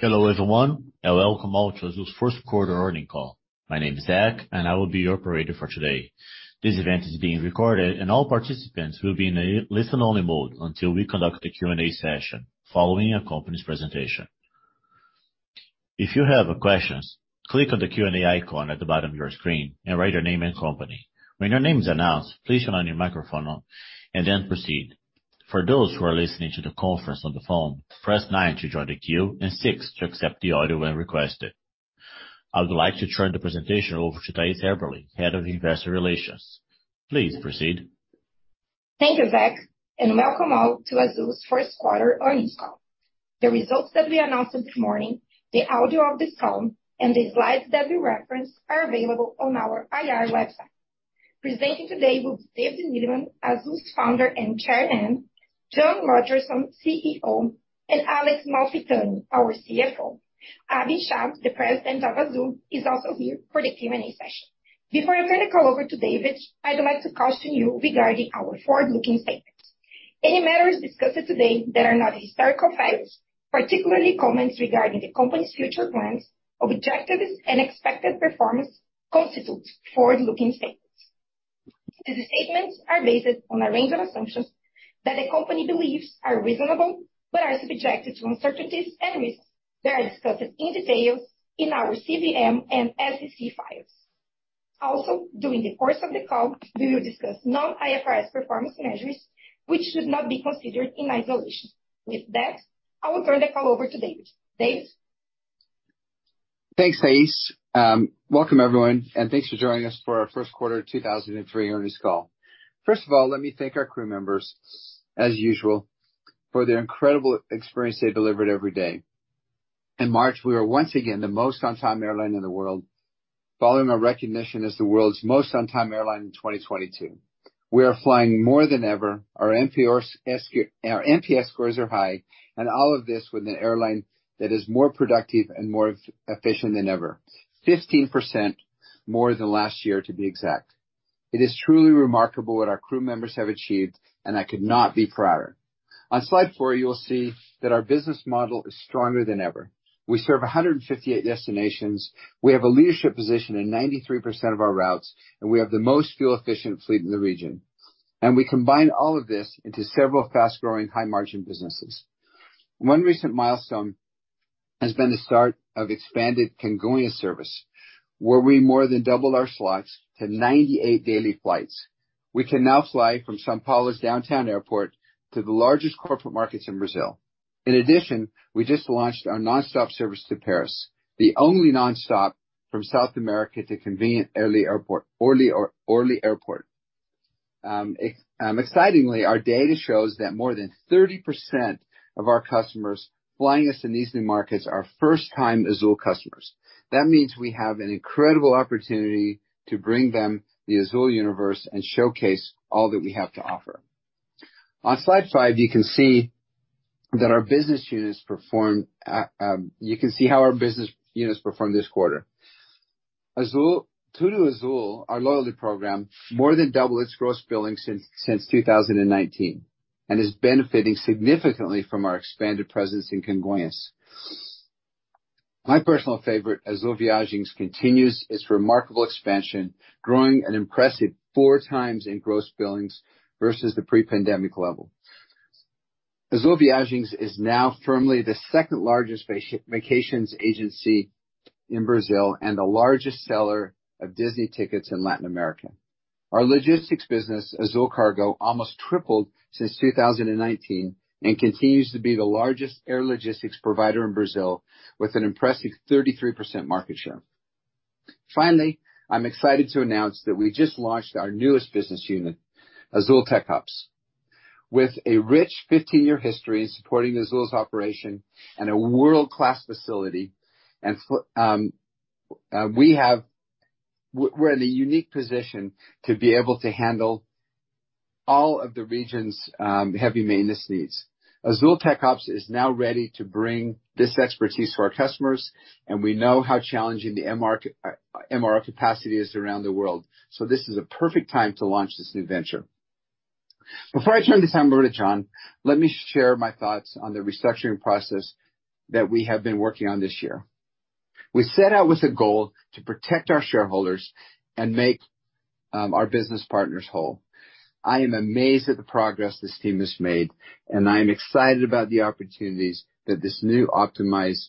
Hello, everyone, welcome all to Azul's Q1 Earnings Call. My name is Zach, and I will be your operator for today. This event is being recorded, and all participants will be in a listen-only mode until we conduct the Q&A session following our company's presentation. If you have questions, click on the Q&A icon at the bottom of your screen and write your name and company. When your name is announced, please turn on your microphone, and then proceed. For those who are listening to the conference on the phone, press nine to join the queue and six to accept the audio when requested. I would like to turn the presentation over to Thais Haberli, Head of Investor Relations. Please proceed. Thank you, Zach. Welcome all to Azul's Q1 Earnings Call. The results that we announced this morning, the audio of this call, and the slides that we reference are available on our IR website. Presenting today will be David Neeleman, Azul's Founder and Chair, John Rodgerson, CEO, and Alex Malfitani, our CFO. Abhi Shah, the President of Azul, is also here for the Q&A session. Before I turn the call over to David, I would like to caution you regarding our forward-looking statements. Any matters discussed today that are not historical facts, particularly comments regarding the company's future plans, objectives, and expected performance constitute forward-looking statements. These statements are based on a range of assumptions that the company believes are reasonable but are subjected to uncertainties and risks that are discussed in detail in our CVM and SEC files. During the course of the call, we will discuss non-IFRS performance measures, which should not be considered in isolation. With that, I will turn the call over to David. David? Thanks, Thais. Welcome everyone, thanks for joining us for our Q1 2003 Earnings Call. First of all, let me thank our crew members as usual for their incredible experience they delivered every day. In March, we were once again the most on-time airline in the world, following our recognition as the world's most on-time airline in 2022. We are flying more than ever. Our NPS scores are high, all of this with an airline that is more productive and more efficient than ever. 15% more than last year, to be exact. It is truly remarkable what our crew members have achieved, I could not be prouder. On slide four, you will see that our business model is stronger than ever. We serve 158 destinations. We have a leadership position in 93% of our routes, and we have the most fuel-efficient fleet in the region. We combine all of this into several fast-growing, high-margin businesses. One recent milestone has been the start of expanded Congonhas service, where we more than doubled our slots to 98 daily flights. We can now fly from São Paulo's downtown airport to the largest corporate markets in Brazil. In addition, we just launched our nonstop service to Paris, the only nonstop from South America to convenient Orly Airport. Excitingly, our data shows that more than 30% of our customers flying us in these new markets are first-time Azul customers. That means we have an incredible opportunity to bring them the Azul universe and showcase all that we have to offer. On slide five, you can see how our business units performed this quarter. TudoAzul, our loyalty program, more than doubled its gross billings since 2019, and is benefiting significantly from our expanded presence in Congonhas. My personal favorite, Azul Viagens, continues its remarkable expansion, growing an impressive 4 times in gross billings versus the pre-pandemic level. Azul Viagens is now firmly the second-largest vacations agency in Brazil and the largest seller of Disney tickets in Latin America. Our logistics business, Azul Cargo, almost tripled since 2019 and continues to be the largest air logistics provider in Brazil with an impressive 33% market share. I'm excited to announce that we just launched our newest business unit, Azul TecOps. With a rich 15-year history in supporting Azul's operation and a world-class facility, we're in a unique position to be able to handle all of the region's heavy maintenance needs. Azul TecOps is now ready to bring this expertise to our customers, and we know how challenging the MRO capacity is around the world, so this is a perfect time to launch this new venture. Before I turn this time over to John, let me share my thoughts on the restructuring process that we have been working on this year. We set out with a goal to protect our shareholders and make our business partners whole. I am amazed at the progress this team made, and I am excited about the opportunities that this new optimized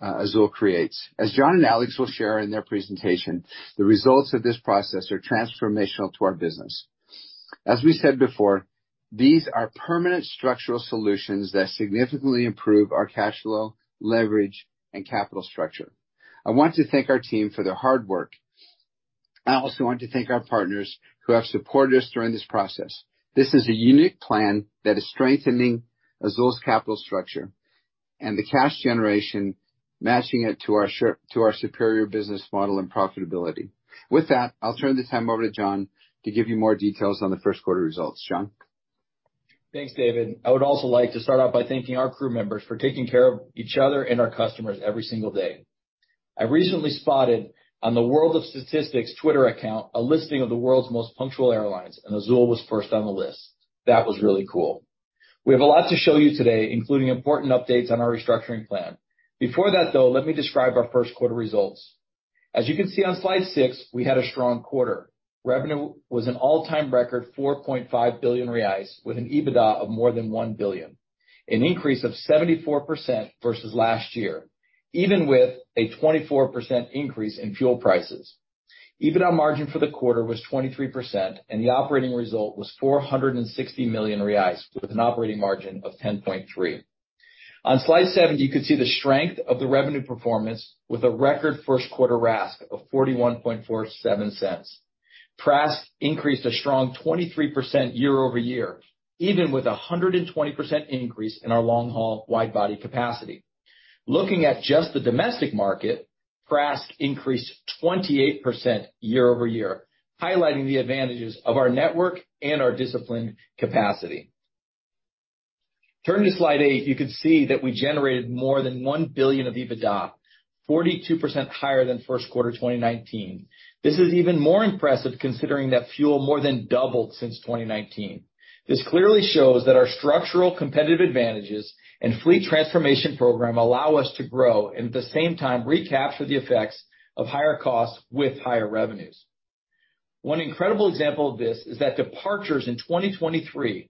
Azul creates. As John and Alex will share in their presentation, the results of this process are transformational to our business. As we said before, these are permanent structural solutions that significantly improve our cash flow, leverage, and capital structure. I want to thank our team for their hard work. I also want to thank our partners who have supported us during this process. This is a unique plan that is strengthening Azul's capital structure and the cash generation, matching it to our superior business model and profitability. With that, I'll turn this time over to John to give you more details on the first quarter results. John? Thanks, David. I would also like to start out by thanking our crew members for taking care of each other and our customers every single day. I recently spotted on the World of Statistics Twitter account, a listing of the world's most punctual airlines. Azul was first on the list. That was really cool. We have a lot to show you today, including important updates on our restructuring plan. Before that, though, let me describe our first quarter results. As you can see on slide six, we had a strong quarter. Revenue was an all-time record 4.5 billion reais with an EBITDA of more than 1 billion, an increase of 74% versus last year, even with a 24% increase in fuel prices. EBITDA margin for the quarter was 23%. The operating result was 460 million reais, with an operating margin of 10.3%. On slide seven, you could see the strength of the revenue performance with a record first quarter RASK of $0.4147. PRASK increased a strong 23% year-over-year, even with a 120% increase in our long-haul wide-body capacity. Looking at just the domestic market, PRASK increased 28% year-over-year, highlighting the advantages of our network and our disciplined capacity. Turning to slide eight, you can see that we generated more than $1 billion of EBITDA, 42% higher than first quarter 2019. This is even more impressive considering that fuel more than doubled since 2019. This clearly shows that our structural competitive advantages and fleet transformation program allow us to grow and, at the same time, recapture the effects of higher costs with higher revenues. One incredible example of this is that departures in 2023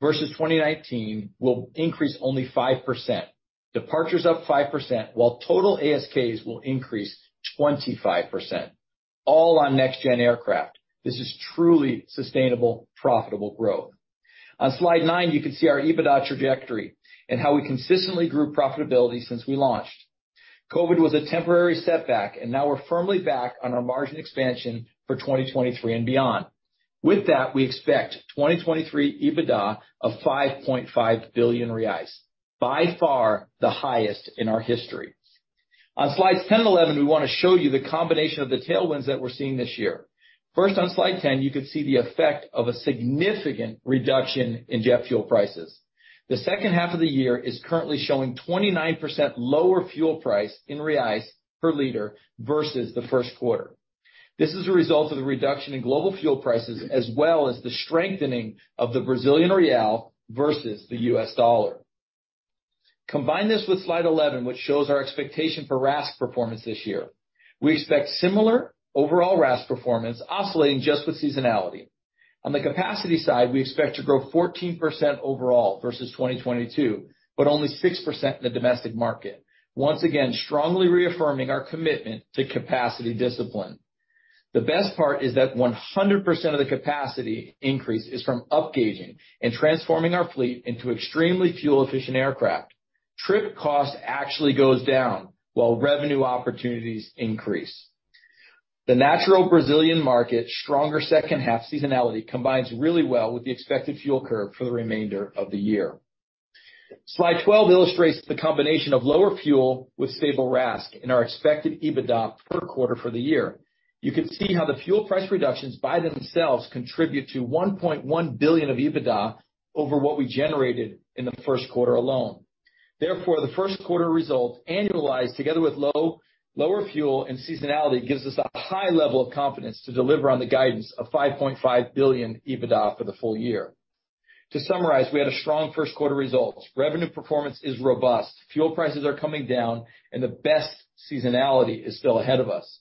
versus 2019 will increase only 5%. Departures up 5%, while total ASKs will increase 25%, all on next gen aircraft. This is truly sustainable, profitable growth. On slide 9, you can see our EBITDA trajectory and how we consistently grew profitability since we launched. COVID was a temporary setback and now we're firmly back on our margin expansion for 2023 and beyond. We expect 2023 EBITDA of 5.5 billion reais, by far, the highest in our history. On slides 10 and 11, we wanna show you the combination of the tailwinds that we're seeing this year. On slide 10, you could see the effect of a significant reduction in jet fuel prices. The second half of the year is currently showing 29% lower fuel price in reais per liter versus the first quarter. This is a result of the reduction in global fuel prices, as well as the strengthening of the Brazilian real versus the US dollar. Combine this with slide 11, which shows our expectation for RASK performance this year. We expect similar overall RASK performance oscillating just with seasonality. On the capacity side, we expect to grow 14% overall versus 2022, but only 6% in the domestic market. Once again, strongly reaffirming our commitment to capacity discipline. The best part is that 100% of the capacity increase is from upgauging and transforming our fleet into extremely fuel-efficient aircraft. Trip cost actually goes down while revenue opportunities increase. The natural Brazilian market stronger second half seasonality combines really well with the expected fuel curve for the remainder of the year. Slide 12 illustrates the combination of lower fuel with stable RASK in our expected EBITDA per quarter for the year. You can see how the fuel price reductions by themselves contribute to 1.1 billion of EBITDA over what we generated in the first quarter alone. Therefore, the first quarter results annualized together with lower fuel and seasonality gives us a high level of confidence to deliver on the guidance of 5.5 billion EBITDA for the full year. To summarize, we had a strong first quarter results. Revenue performance is robust, fuel prices are coming down, and the best seasonality is still ahead of us.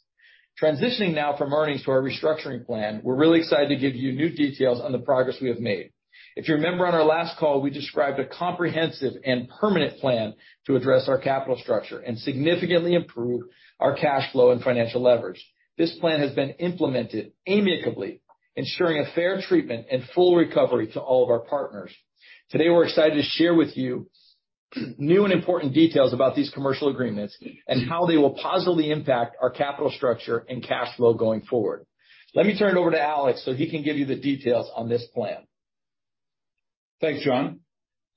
Transitioning now from earnings to our restructuring plan, we're really excited to give you new details on the progress we have made. If you remember on our last call, we described a comprehensive and permanent plan to address our capital structure and significantly improve our cash flow and financial leverage. This plan has been implemented amicably, ensuring a fair treatment and full recovery to all of our partners. Today, we're excited to share with you new and important details about these commercial agreements and how they will positively impact our capital structure and cash flow going forward. Let me turn it over to Alex, so he can give you the details on this plan. Thanks, John.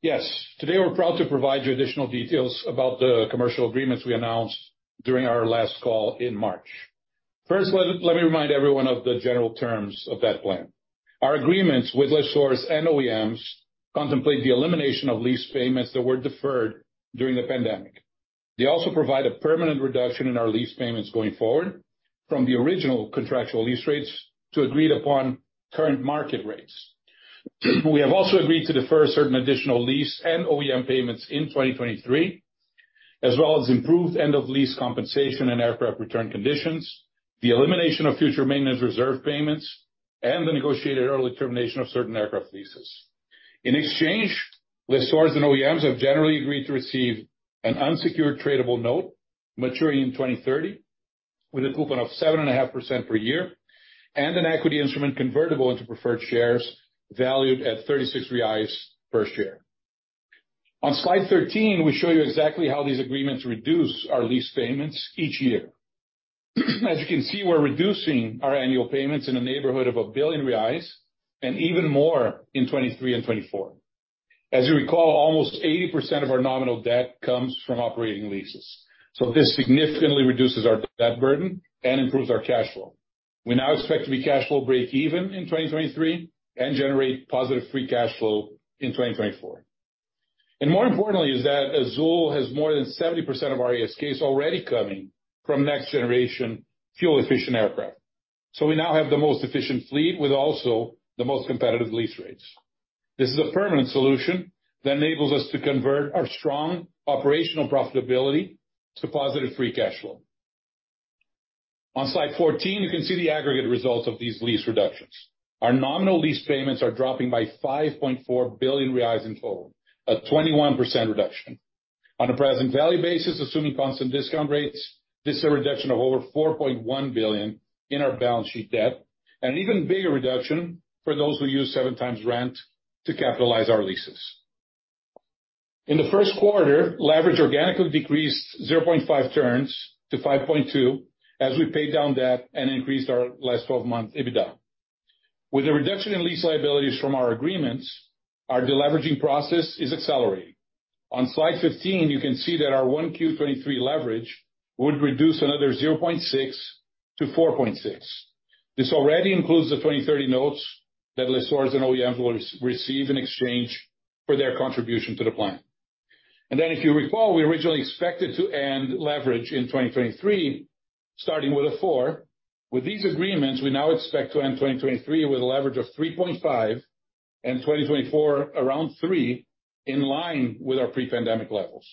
Today we're proud to provide you additional details about the commercial agreements we announced during our last call in March. First, let me remind everyone of the general terms of that plan. Our agreements with lessors and OEMs contemplate the elimination of lease payments that were deferred during the pandemic. They also provide a permanent reduction in our lease payments going forward from the original contractual lease rates to agreed upon current market rates. We have also agreed to defer certain additional lease and OEM payments in 2023, as well as improved end of lease compensation and aircraft return conditions, the elimination of future maintenance reserve payments, and the negotiated early termination of certain aircraft leases. In exchange, lessors and OEMs have generally agreed to receive an unsecured tradable note maturing in 2030 with a coupon of 7.5% per year and an equity instrument convertible into preferred shares valued at 36 reais per share. On slide 13, we show you exactly how these agreements reduce our lease payments each year. As you can see, we're reducing our annual payments in the neighborhood of 1 billion reais and even more in 2023 and 2024. As you recall, almost 80% of our nominal debt comes from operating leases. This significantly reduces our debt burden and improves our cash flow. We now expect to be cash flow breakeven in 2023 and generate positive free cash flow in 2024. More importantly is that Azul has more than 70% of our ASKs already coming from next generation fuel-efficient aircraft. We now have the most efficient fleet with also the most competitive lease rates. This is a permanent solution that enables us to convert our strong operational profitability to positive free cash flow. On slide 14, you can see the aggregate results of these lease reductions. Our nominal lease payments are dropping by 5.4 billion reais in total, a 21% reduction. On a present value basis, assuming constant discount rates, this is a reduction of over 4.1 billion in our balance sheet debt and an even bigger reduction for those who use seven times rent to capitalize our leases. In the first quarter, leverage organically decreased 0.5 turns to 5.2 as we paid down debt and increased our last 12-month EBITDA. With a reduction in lease liabilities from our agreements, our deleveraging process is accelerating. On slide 15, you can see that our 1Q23 leverage would reduce another 0.6 to 4.6. This already includes the 2030 notes that lessors and OEMs will receive in exchange for their contribution to the plan. If you recall, we originally expected to end leverage in 2023, starting with a four. With these agreements, we now expect to end 2023 with a leverage of 3.5 and 2024 around three, in line with our pre-pandemic levels.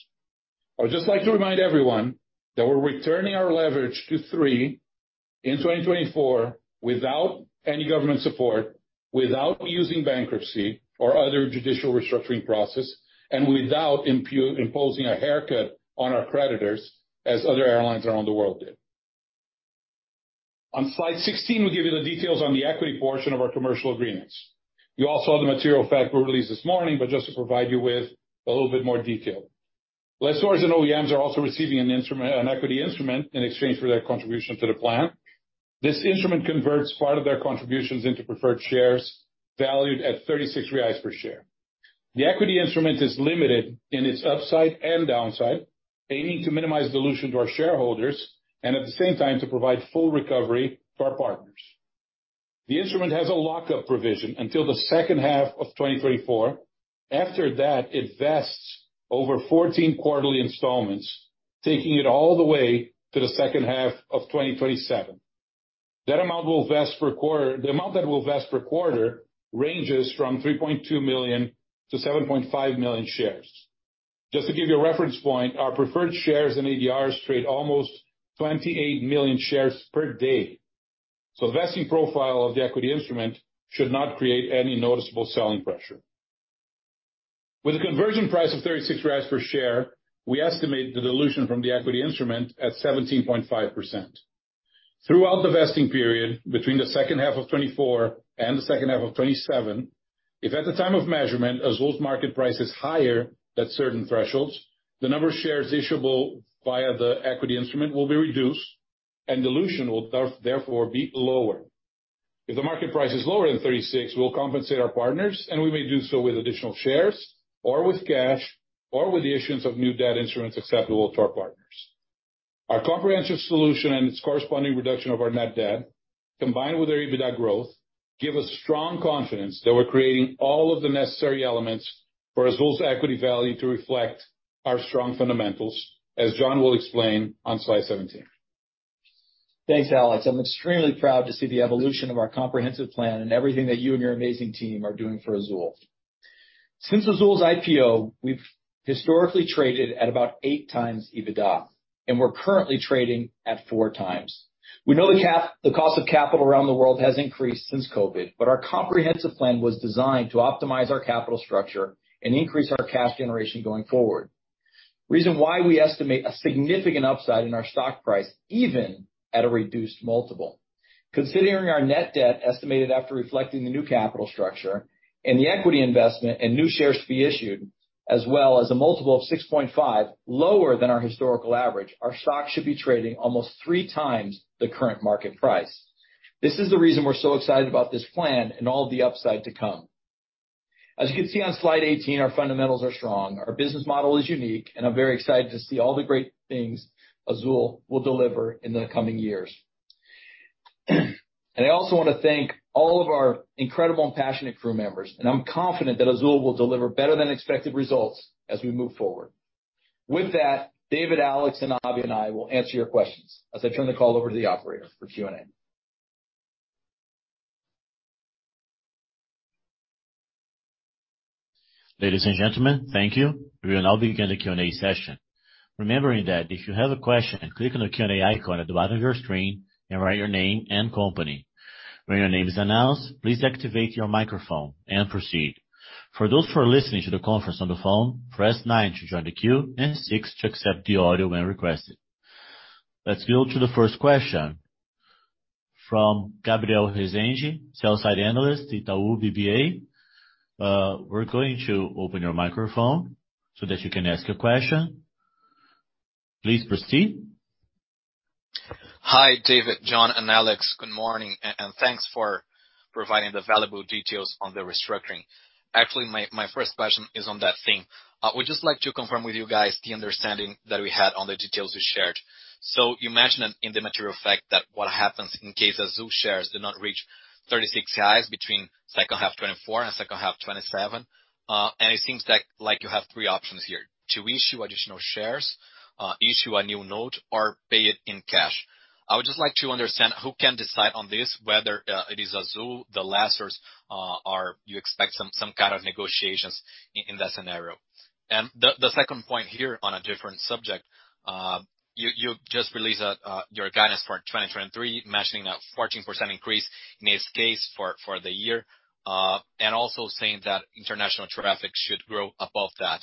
I would just like to remind everyone that we're returning our leverage to three in 2024 without any government support, without using bankruptcy or other judicial restructuring process, and without imposing a haircut on our creditors as other airlines around the world did. On slide 16, we give you the details on the equity portion of our commercial agreements. You all saw the material fact we released this morning, just to provide you with a little bit more detail. Lessors and OEMs are also receiving an equity instrument in exchange for their contribution to the plan. This instrument converts part of their contributions into preferred shares valued at 36 reais per share. The equity instrument is limited in its upside and downside, aiming to minimize dilution to our shareholders and at the same time, to provide full recovery to our partners. The instrument has a lockup provision until the second half of 2024. After that, it vests over 14 quarterly installments, taking it all the way to the second half of 2027. The amount that will vest per quarter ranges from 3.2 million-7.5 million shares. Just to give you a reference point, our preferred shares and ADRs trade almost 28 million shares per day, so the vesting profile of the equity instrument should not create any noticeable selling pressure. With a conversion price of 36 reais per share, we estimate the dilution from the equity instrument at 17.5%. Throughout the vesting period, between the second half of 2024 and the second half of 2027, if at the time of measurement, Azul's market price is higher at certain thresholds, the number of shares issuable via the equity instrument will be reduced, and dilution will therefore be lower. If the market price is lower than 36, we'll compensate our partners, and we may do so with additional shares or with cash or with the issuance of new debt instruments acceptable to our partners. Our comprehensive solution and its corresponding reduction of our net debt, combined with our EBITDA growth, give us strong confidence that we're creating all of the necessary elements for Azul's equity value to reflect our strong fundamentals, as John will explain on slide 17. Thanks, Alex. I'm extremely proud to see the evolution of our comprehensive plan and everything that you and your amazing team are doing for Azul. Since Azul's IPO, we've historically traded at about 8 times EBITDA, and we're currently trading at four times. We know the cost of capital around the world has increased since COVID, but our comprehensive plan was designed to optimize our capital structure and increase our cash generation going forward. Reason why we estimate a significant upside in our stock price, even at a reduced multiple. Considering our net debt estimated after reflecting the new capital structure and the equity investment and new shares to be issued, as well as a multiple of 6.5, lower than our historical average, our stock should be trading almost 3 times the current market price. This is the reason we're so excited about this plan and all the upside to come. As you can see on slide 18, our fundamentals are strong, our business model is unique, I'm very excited to see all the great things Azul will deliver in the coming years. I also want to thank all of our incredible and passionate crew members, and I'm confident that Azul will deliver better than expected results as we move forward. With that, David, Alex, and Avi and I will answer your questions, as I turn the call over to the operator for Q&A. Ladies and gentlemen, thank you. We will now begin the Q&A session. Remembering that if you have a question, then click on the Q&A icon at the bottom of your screen and write your name and company. When your name is announced, please activate your microphone and proceed. For those who are listening to the conference on the phone, press 9 to join the queue and 6 to accept the audio when requested. Let's go to the first question from Gabriel Rezende, sell side analyst, Itaú BBA. We're going to open your microphone so that you can ask your question. Please proceed. Hi, David, John, and Alex. Good morning, and thanks for providing the valuable details on the restructuring. Actually, my first question is on that theme. I would just like to confirm with you guys the understanding that we had on the details you shared. You mentioned in the material fact that what happens in case Azul shares do not reach 36 highs between second half 2024 and second half 2027, and it seems like you have three options here: to issue additional shares, issue a new note, or pay it in cash. I would just like to understand who can decide on this, whether it is Azul, the lessors, or you expect some kind of negotiations in that scenario? The second point here on a different subject, you just released your guidance for 2023, mentioning a 14% increase in this case for the year, and also saying that international traffic should grow above that.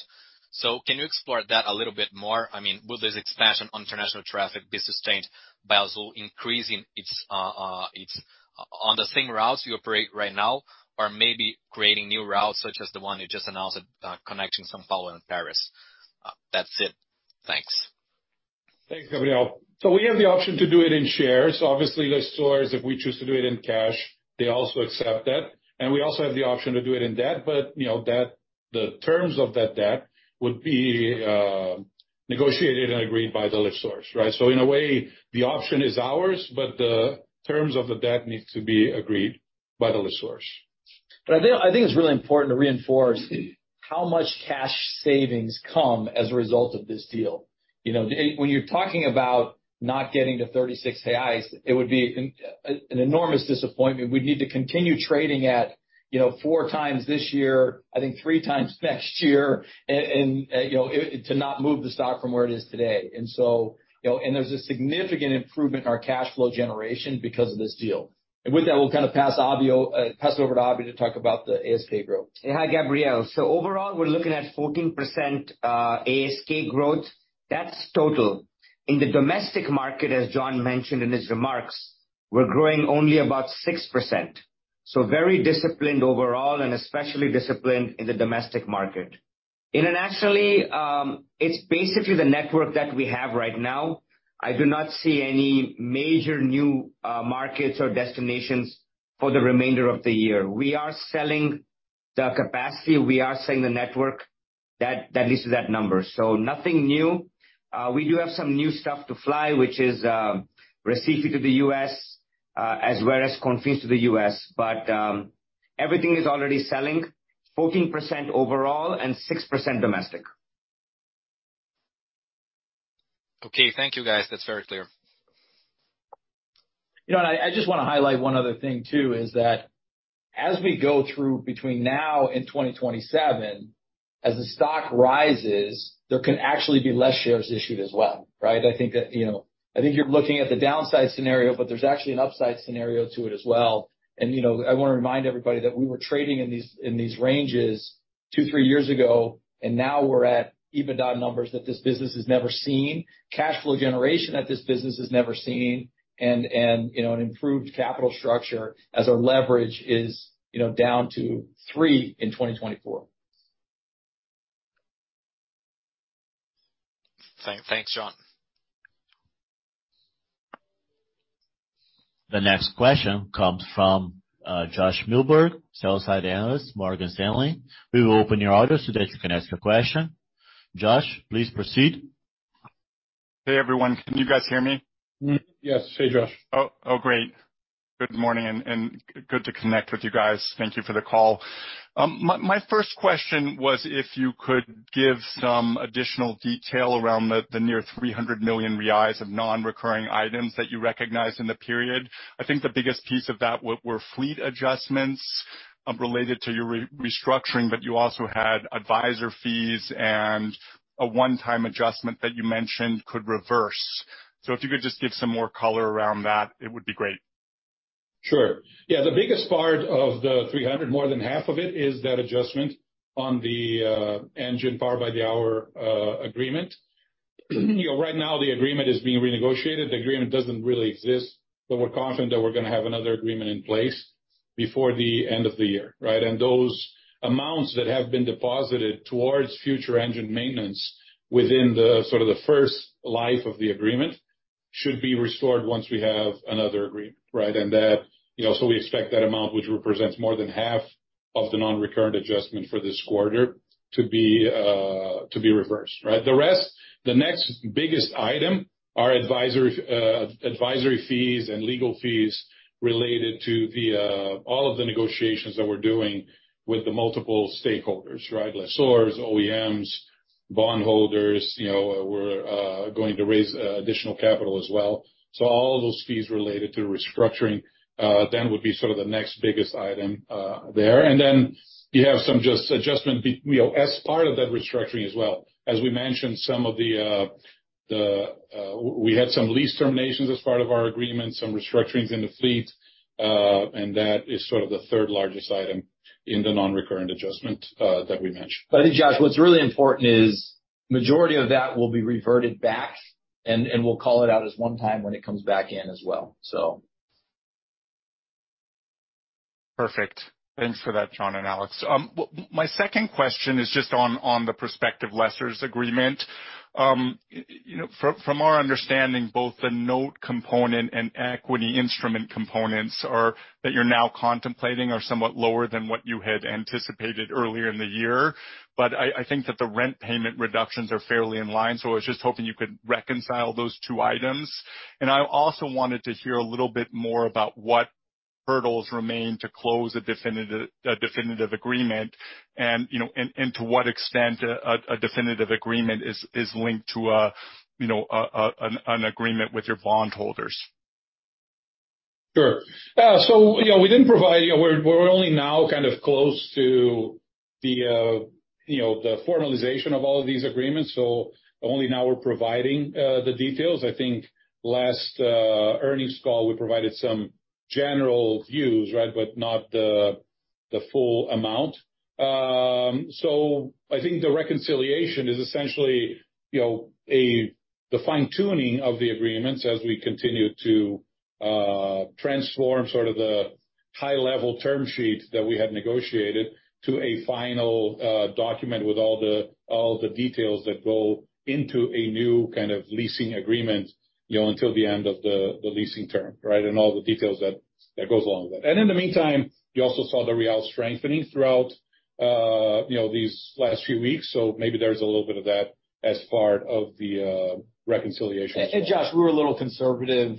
Can you explore that a little bit more? I mean, will this expansion on international traffic be sustained by Azul increasing its on the same routes you operate right now, or maybe creating new routes such as the one you just announced, connecting São Paulo and Paris? That's it. Thanks. Thanks, Gabriel. We have the option to do it in shares. Obviously, lessors, if we choose to do it in cash, they also accept that. We also have the option to do it in debt, but, you know, the terms of that debt would be negotiated and agreed by the lessor, right. In a way, the option is ours, but the terms of the debt needs to be agreed by the lessor. I think it's really important to reinforce how much cash savings come as a result of this deal. You know, when you're talking about not getting to 36 AIs, it would be an enormous disappointment. We'd need to continue trading at, you know, four times this year, I think 3 times next year, and, you know, to not move the stock from where it is today. You know, there's a significant improvement in our cash flow generation because of this deal. With that, we'll kind of pass Avi pass over to Avi to talk about the ASK growth. Yeah. Hi, Gabriel. Overall, .we're looking at 14% ASK growth. That's total. In the domestic market, as John mentioned in his remarks, we're growing only about 6%. Very disciplined overall, and especially disciplined in the domestic market. Internationally, it's basically the network that we have right now. I do not see any major new markets or destinations for the remainder of the year. We are selling the capacity, we are selling the network that leads to that number. Nothing new. We do have some new stuff to fly, which is Recife to the U.S., as well as Confins to the U.S. Everything is already selling 14% overall and 6% domestic. Okay. Thank you, guys. That's very clear. You know, I just wanna highlight one other thing too, is that as we go through between now and 2027, as the stock rises, there can actually be less shares issued as well, right? I think that, you know, I think you're looking at the downside scenario, but there's actually an upside scenario to it as well. You know, I wanna remind everybody that we were trading in these ranges two, three years ago, and now we're at EBITDA numbers that this business has never seen, cash flow generation that this business has never seen, and, you know, an improved capital structure as our leverage is, you know, down to three in 2024. Thanks, John. The next question comes from Josh Milberg, sell-side Analyst, Morgan Stanley. We will open your audio so that you can ask your question. Josh, please proceed. Hey, everyone. Can you guys hear me? Yes. Hey, Josh. Great. Good morning, and good to connect with you guys. Thank you for the call. My first question was if you could give some additional detail around the near 300 million reais of non-recurring items that you recognized in the period. I think the biggest piece of that were fleet adjustments related to your re-restructuring, but you also had advisor fees and a one-time adjustment that you mentioned could reverse. If you could just give some more color around that, it would be great. Sure. Yeah, the biggest part of the 300, more than half of it, is that adjustment on the engine powered by the hour agreement. You know, right now the agreement is being renegotiated. The agreement doesn't really exist, we're confident that we're gonna have another agreement in place before the end of the year, right? Those amounts that have been deposited towards future engine maintenance within the sort of the first life of the agreement should be restored once we have another agreement, right? That, you know, we expect that amount, which represents more than half of the non-recurrent adjustment for this quarter, to be reversed, right? The rest, the next biggest item are advisory fees and legal fees related to the all of the negotiations that we're doing with the multiple stakeholders, right? Lessors, OEMs, bondholders, you know, we're going to raise additional capital as well. All of those fees related to restructuring, then would be sort of the next biggest item there. You have some just adjustment you know, as part of that restructuring as well. As we mentioned, some of the, we had some lease terminations as part of our agreement, some restructurings in the fleet, and that is sort of the third largest item in the non-recurrent adjustment that we mentioned. I think, Josh, what's really important is majority of that will be reverted back, and we'll call it out as one time when it comes back in as well. Perfect. Thanks for that, John and Alex. my second question is just on the prospective lessors agreement. you know, from our understanding, both the note component and equity instrument components are, that you're now contemplating are somewhat lower than what you had anticipated earlier in the year. I think that the rent payment reductions are fairly in line, so I was just hoping you could reconcile those two items. I also wanted to hear a little bit more about what hurdles remain to close a definitive agreement and, you know, and to what extent a definitive agreement is linked to a, you know, an agreement with your bondholders. Sure. You know, we didn't provide, you know, we're only now kind of close to the, you know, the formalization of all of these agreements, so only now we're providing the details. I think last earnings call, we provided some general views, right? Not the full amount. I think the reconciliation is essentially, you know, a, the fine-tuning of the agreements as we continue to transform sort of the high level term sheets that we had negotiated to a final document with all the details that go into a new kind of leasing agreement, you know, until the end of the leasing term, right? All the details that goes along with that. In the meantime, you also saw the Real strengthening throughout, you know, these last few weeks, so maybe there's a little bit of that as part of the reconciliation as well. Josh, we were a little conservative,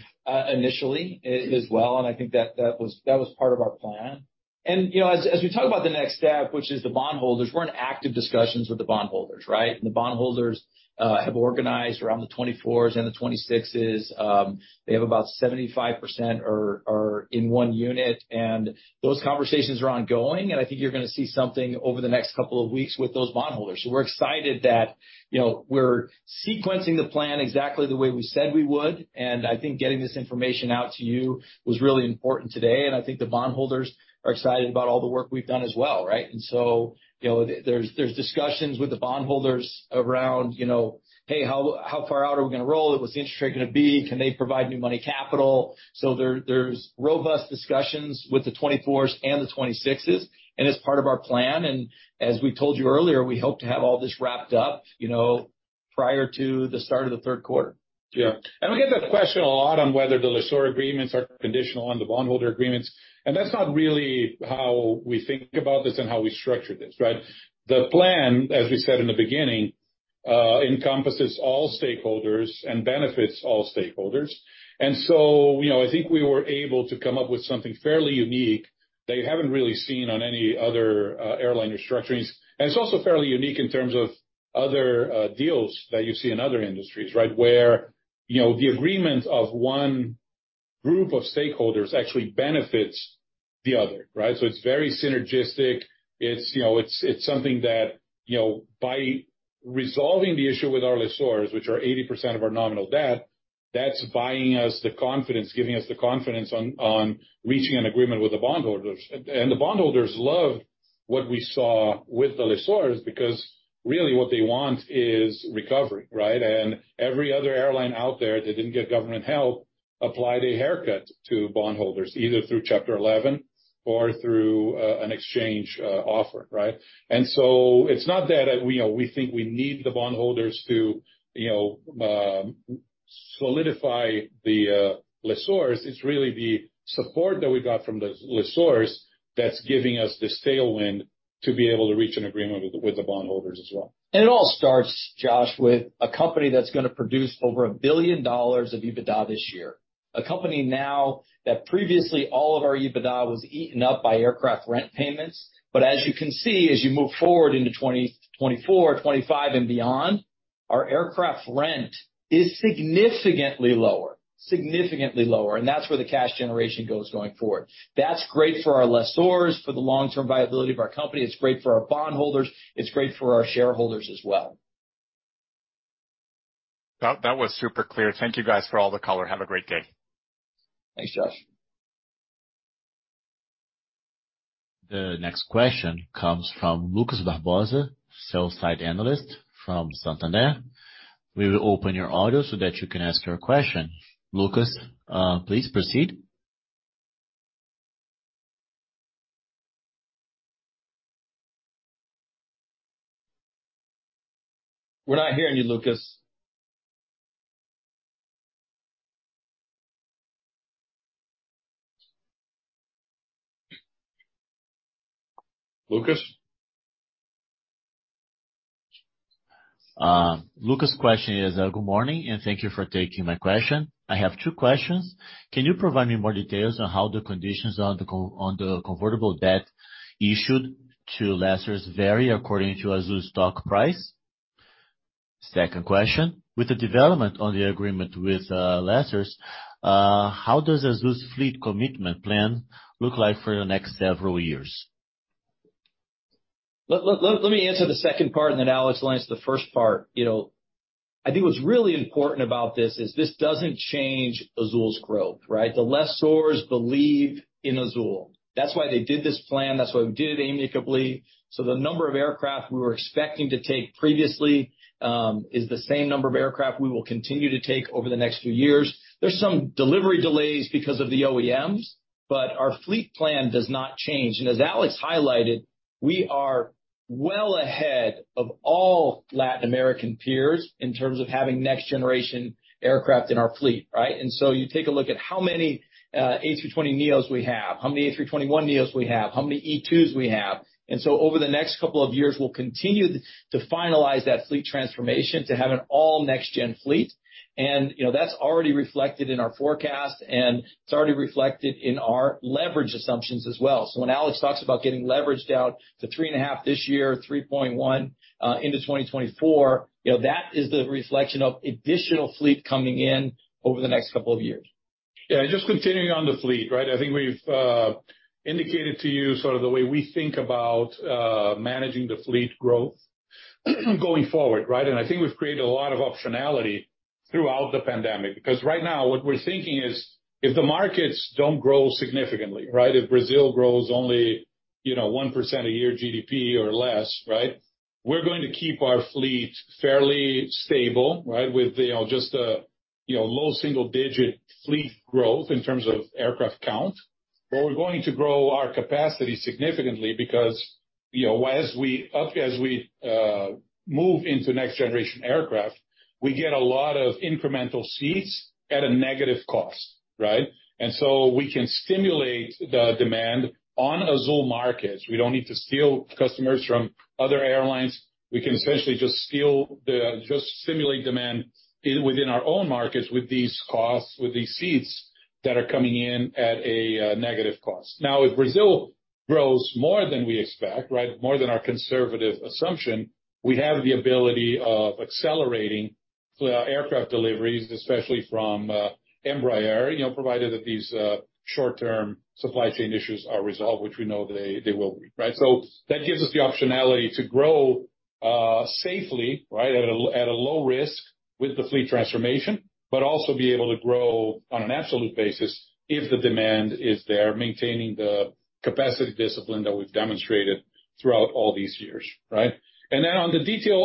initially as well, I think that was, that was part of our plan. You know, as we talk about the next step, which is the bondholders, we're in active discussions with the bondholders, right? The bondholders have organized around the 2024s and the 2026s. They have about 75% are in one unit, and those conversations are ongoing, I think you're gonna see something over the next couple of weeks with those bondholders. We're excited that, you know, we're sequencing the plan exactly the way we said we would, I think getting this information out to you was really important today. I think the bondholders are excited about all the work we've done as well, right? You know, there's discussions with the bondholders around, you know, hey, how far out are we gonna roll? What's the interest rate gonna be? Can they provide new money capital? There's robust discussions with the 24s and the 26s, and it's part of our plan. As we told you earlier, we hope to have all this wrapped up, you know, prior to the start of the 3rd quarter. Yeah. We get that question a lot on whether the lessor agreements are conditional on the bondholder agreements, and that's not really how we think about this and how we structure this, right? The plan, as we said in the beginning, encompasses all stakeholders and benefits all stakeholders. You know, I think we were able to come up with something fairly unique that you haven't really seen on any other airline restructurings. It's also fairly unique in terms of other deals that you see in other industries, right? Where, you know, the agreement of one group of stakeholders actually benefits the other, right? It's very synergistic. It's, you know, it's something that, you know, by resolving the issue with our lessors, which are 80% of our nominal debt, that's buying us the confidence, giving us the confidence on reaching an agreement with the bondholders. The bondholders love what we saw with the lessors, because really what they want is recovery, right? Every other airline out there that didn't get government help applied a haircut to bondholders, either through Chapter 11 or through an exchange offer, right? It's not that, you know, we think we need the bondholders to, you know, solidify the lessors. It's really the support that we got from the lessors that's giving us this tailwind to be able to reach an agreement with the bondholders as well. It all starts, Josh, with a company that's gonna produce over $1 billion of EBITDA this year. A company now that previously all of our EBITDA was eaten up by aircraft rent payments. As you can see, as you move forward into 2024, 2025, and beyond, our aircraft rent is significantly lower. Significantly lower. That's where the cash generation goes going forward. That's great for our lessors, for the long-term viability of our company. It's great for our bondholders. It's great for our shareholders as well. That was super clear. Thank you guys for all the color. Have a great day. Thanks, Josh. The next question comes from Lucas Barbosa, sell-side analyst from Santander. We will open your audio so that you can ask your question. Lucas, please proceed. We're not hearing you, Lucas. Lucas? Lucas's question is, good morning, and thank you for taking my question. I have two questions. Can you provide me more details on how the conditions on the convertible debt issued to lessors vary according to Azul's stock price? Second question: With the development on the agreement with lessors, how does Azul's fleet commitment plan look like for the next several years? Let me answer the second part, then Alex will answer the first part. You know, I think what's really important about this is this doesn't change Azul's growth, right? The lessors believe in Azul. That's why they did this plan. That's why we did it amicably. The number of aircraft we were expecting to take previously is the same number of aircraft we will continue to take over the next few years. There's some delivery delays because of the OEMs, but our fleet plan does not change. As Alex highlighted, we are well ahead of all Latin American peers in terms of having next generation aircraft in our fleet, right? You take a look at how many A320neo we have, how many A321neo we have, how many E2s we have. Over the next couple of years, we'll continue to finalize that fleet transformation to have an all next gen fleet. You know, that's already reflected in our forecast, and it's already reflected in our leverage assumptions as well. When Alex talks about getting leveraged out to 3.5 this year, 3.1 into 2024, you know, that is the reflection of additional fleet coming in over the next couple of years. Yeah, just continuing on the fleet, right? I think we've indicated to you sort of the way we think about managing the fleet growth going forward, right? I think we've created a lot of optionality throughout the pandemic, because right now what we're thinking is if the markets don't grow significantly, right, if Brazil grows only, you know, 1% a year GDP or less, right? We're going to keep our fleet fairly stable, right? With, you know, just a, you know, low single digit fleet growth in terms of aircraft count. We're going to grow our capacity significantly because, you know, as we move into next generation aircraft, we get a lot of incremental seats at a negative cost, right? We can stimulate the demand on Azul markets. We don't need to steal customers from other airlines. We can essentially just stimulate demand within our own markets with these costs, with these seats that are coming in at a negative cost. If Brazil grows more than we expect, right, more than our conservative assumption, we have the ability of accelerating aircraft deliveries, especially from Embraer, you know, provided that these short-term supply chain issues are resolved, which we know they will be, right. That gives us the optionality to grow safely, right, at a low risk with the fleet transformation, but also be able to grow on an absolute basis if the demand is there, maintaining the capacity discipline that we've demonstrated throughout all these years, right. On the detail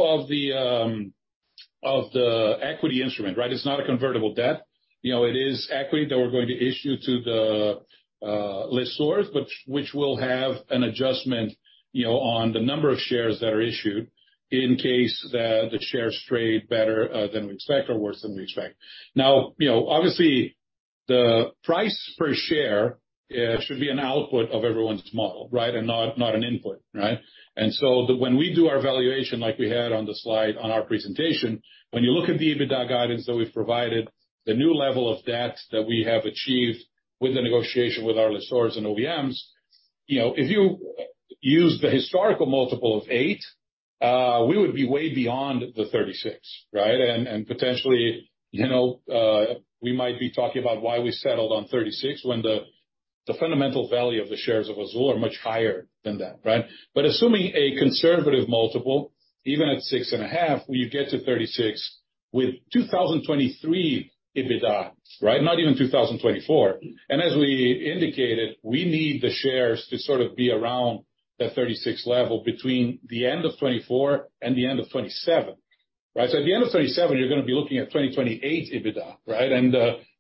of the equity instrument, right, it's not a convertible debt. You know, it is equity that we're going to issue to the lessors, which will have an adjustment, you know, on the number of shares that are issued in case the shares trade better than we expect or worse than we expect. Now, you know, obviously the price per share should be an output of everyone's model, right, and not an input, right? When we do our valuation like we had on the slide on our presentation, when you look at the EBITDA guidance that we've provided, the new level of debt that we have achieved with the negotiation with our lessors and OEMs, you know, if you use the historical multiple of eight, we would be way beyond the 36, right? Potentially, you know, we might be talking about why we settled on 36 when the fundamental value of the shares of Azul are much higher than that, right? Assuming a conservative multiple, even at 6.5x, you get to 36 with 2023 EBITDA, right? Not even 2024. As we indicated, we need the shares to sort of be around that 36 level between the end of 2024 and the end of 2027, right? At the end of 2027 you're gonna be looking at 2028 EBITDA, right?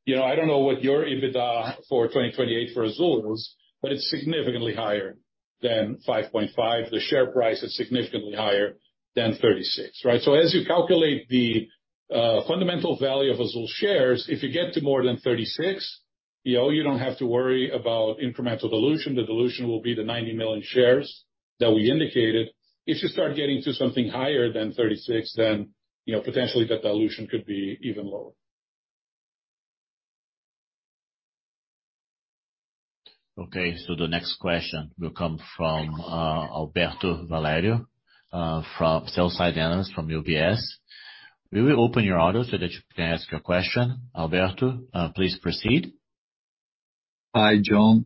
You know, I don't know what your EBITDA for 2028 for Azul is, but it's significantly higher than 5.5. The share price is significantly higher than 36, right? As you calculate the fundamental value of Azul shares, if you get to more than 36, you know, you don't have to worry about incremental dilution. The dilution will be the 90 million shares that we indicated. If you start getting to something higher than 36, you know, potentially that dilution could be even lower. Okay. The next question will come from Alberto Valerio, from sell side analyst from UBS. We will open your audio so that you can ask your question. Alberto, please proceed. Hi, John,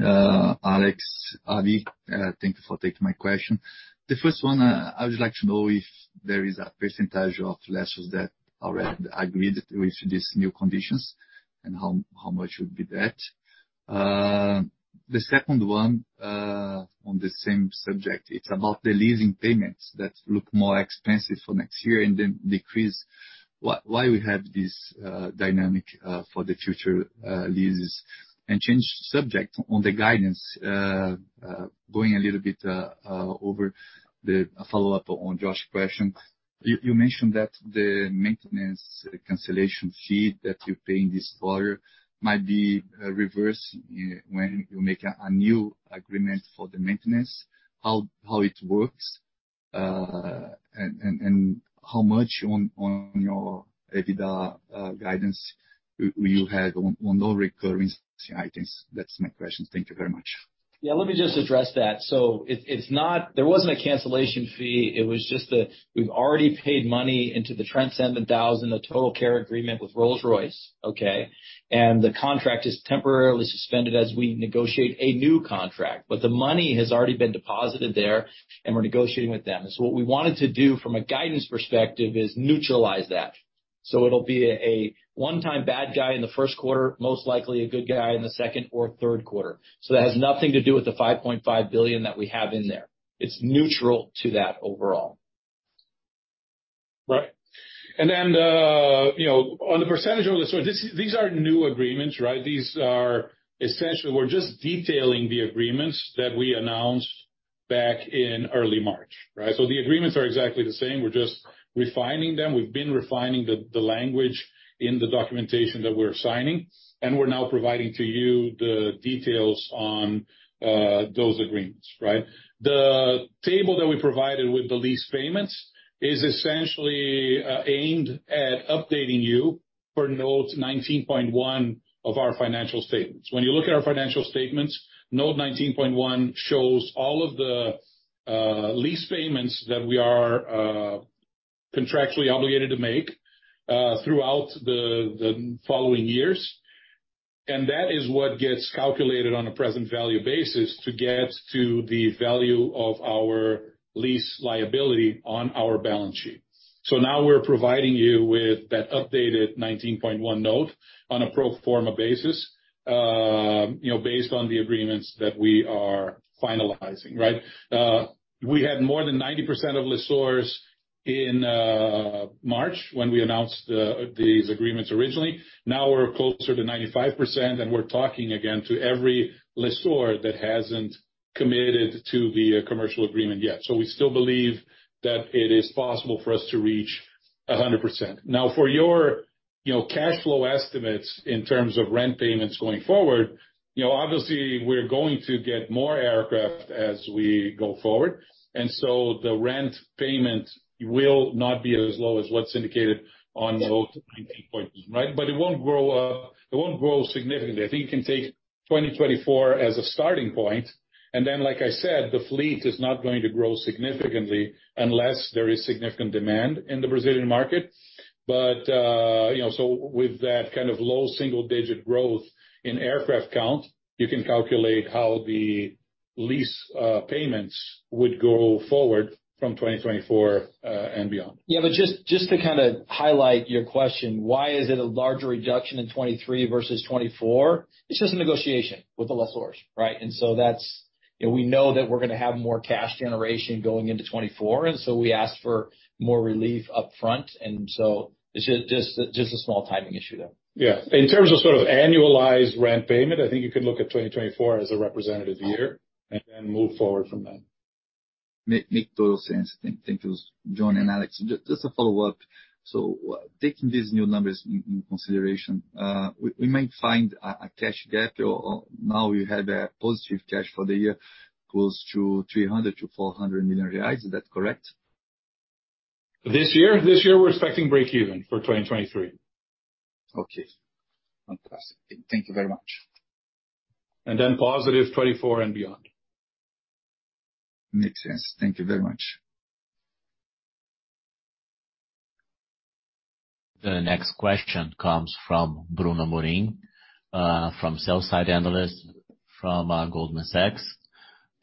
Alex, Abhi. Thank you for taking my question. The first one, I would like to know if there is a percentage of lessors that already agreed with these new conditions, and how much would be that? The second one, on the same subject, it's about the leasing payments that look more expensive for next year and then decrease. Why we have this dynamic for the future leases? Change subject on the guidance. Going a little bit over the follow-up on Josh's question. You mentioned that the maintenance cancellation fee that you pay in this quarter might be reversed when you make a new agreement for the maintenance, how it works, and how much on your EBITDA guidance will you have on non-recurring items? That's my question. Thank you very much. Yeah, let me just address that. There wasn't a cancellation fee. It was just that we've already paid money into the Trent 1000, the total care agreement with Rolls-Royce, okay? The contract is temporarily suspended as we negotiate a new contract. The money has already been deposited there, and we're negotiating with them. What we wanted to do from a guidance perspective is neutralize that. It'll be a one-time bad guy in the first quarter, most likely a good guy in the second or third quarter. That has nothing to do with the 5.5 billion that we have in there. It's neutral to that overall. Right. You know, on the percentage of the story, these are new agreements, right? These are essentially we're just detailing the agreements that we announced back in early March, right? The agreements are exactly the same. We're just refining them. We've been refining the language in the documentation that we're signing, and we're now providing to you the details on those agreements, right? The table that we provided with the lease payments is essentially aimed at updating you for note 19.1 of our financial statements. When you look at our financial statements, note 19.1 shows all of the lease payments that we are contractually obligated to make throughout the following years. That is what gets calculated on a present value basis to get to the value of our lease liability on our balance sheet. Now we're providing you with that updated 19.1 note on a pro forma basis, you know, based on the agreements that we are finalizing, right? We had more than 90% of lessors in March, when we announced these agreements originally. Now we're closer to 95%, and we're talking again to every lessor that hasn't committed to the commercial agreement yet. We still believe that it is possible for us to reach 100%. Now, for your, you know, cash flow estimates in terms of rent payments going forward, you know, obviously we're going to get more aircraft as we go forward, and so the rent payment will not be as low as what's indicated on note 19.1, right? It won't grow, it won't grow significantly. I think you can take 2024 as a starting point, and then, like I said, the fleet is not going to grow significantly unless there is significant demand in the Brazilian market. You know, so with that kind of low single-digit growth in aircraft count, you can calculate how the lease payments would go forward from 2024 and beyond. Just to kind of highlight your question, why is it a larger reduction in 23 versus 24? It's just a negotiation with the lessors, right? You know, we know that we're going to have more cash generation going into 24, and so we asked for more relief upfront, and so it's just a small timing issue there. Yeah. In terms of sort of annualized rent payment, I think you could look at 2024 as a representative year and then move forward from there. Make total sense. Thank you, John and Alex. Just a follow-up. Taking these new numbers in consideration, we might find a cash gap or now we had a positive cash for the year close to 300 million-400 million reais. Is that correct? This year? This year, we're expecting breakeven for 2023. Okay. Fantastic. Thank you very much. Positive 2024 and beyond. Makes sense. Thank you very much. The next question comes from Bruno Amorim, from sell-side analyst from, Goldman Sachs.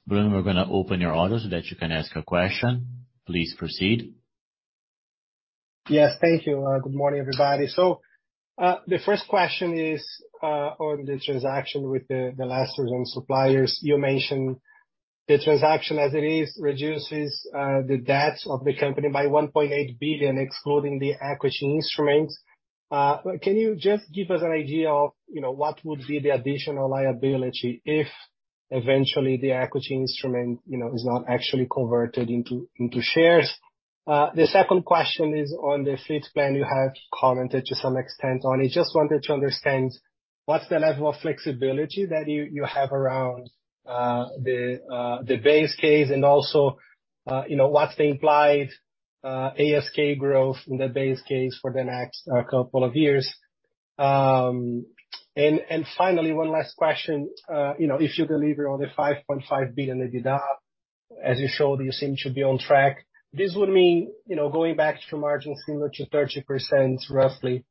Bruno, we're gonna open your audio so that you can ask your question. Please proceed. Yes, thank you. Good morning, everybody. The first question is on the transaction with the lessors and suppliers. You mentioned the transaction as it is reduces the debt of the company by 1.8 billion, excluding the equity instruments. Can you just give us an idea of, you know, what would be the additional liability if eventually the equity instrument, you know, is not actually converted into shares? The second question is on the fleet plan you have commented to some extent on. I just wanted to understand what's the level of flexibility that you have around the base case and also, you know, what's the implied ASK growth in the base case for the next couple of years. And finally, one last question. You know, if you deliver on the $5.5 billion EBITDA, as you showed, you seem to be on track. This would mean, you know, going back to margin similar to 30% roughly,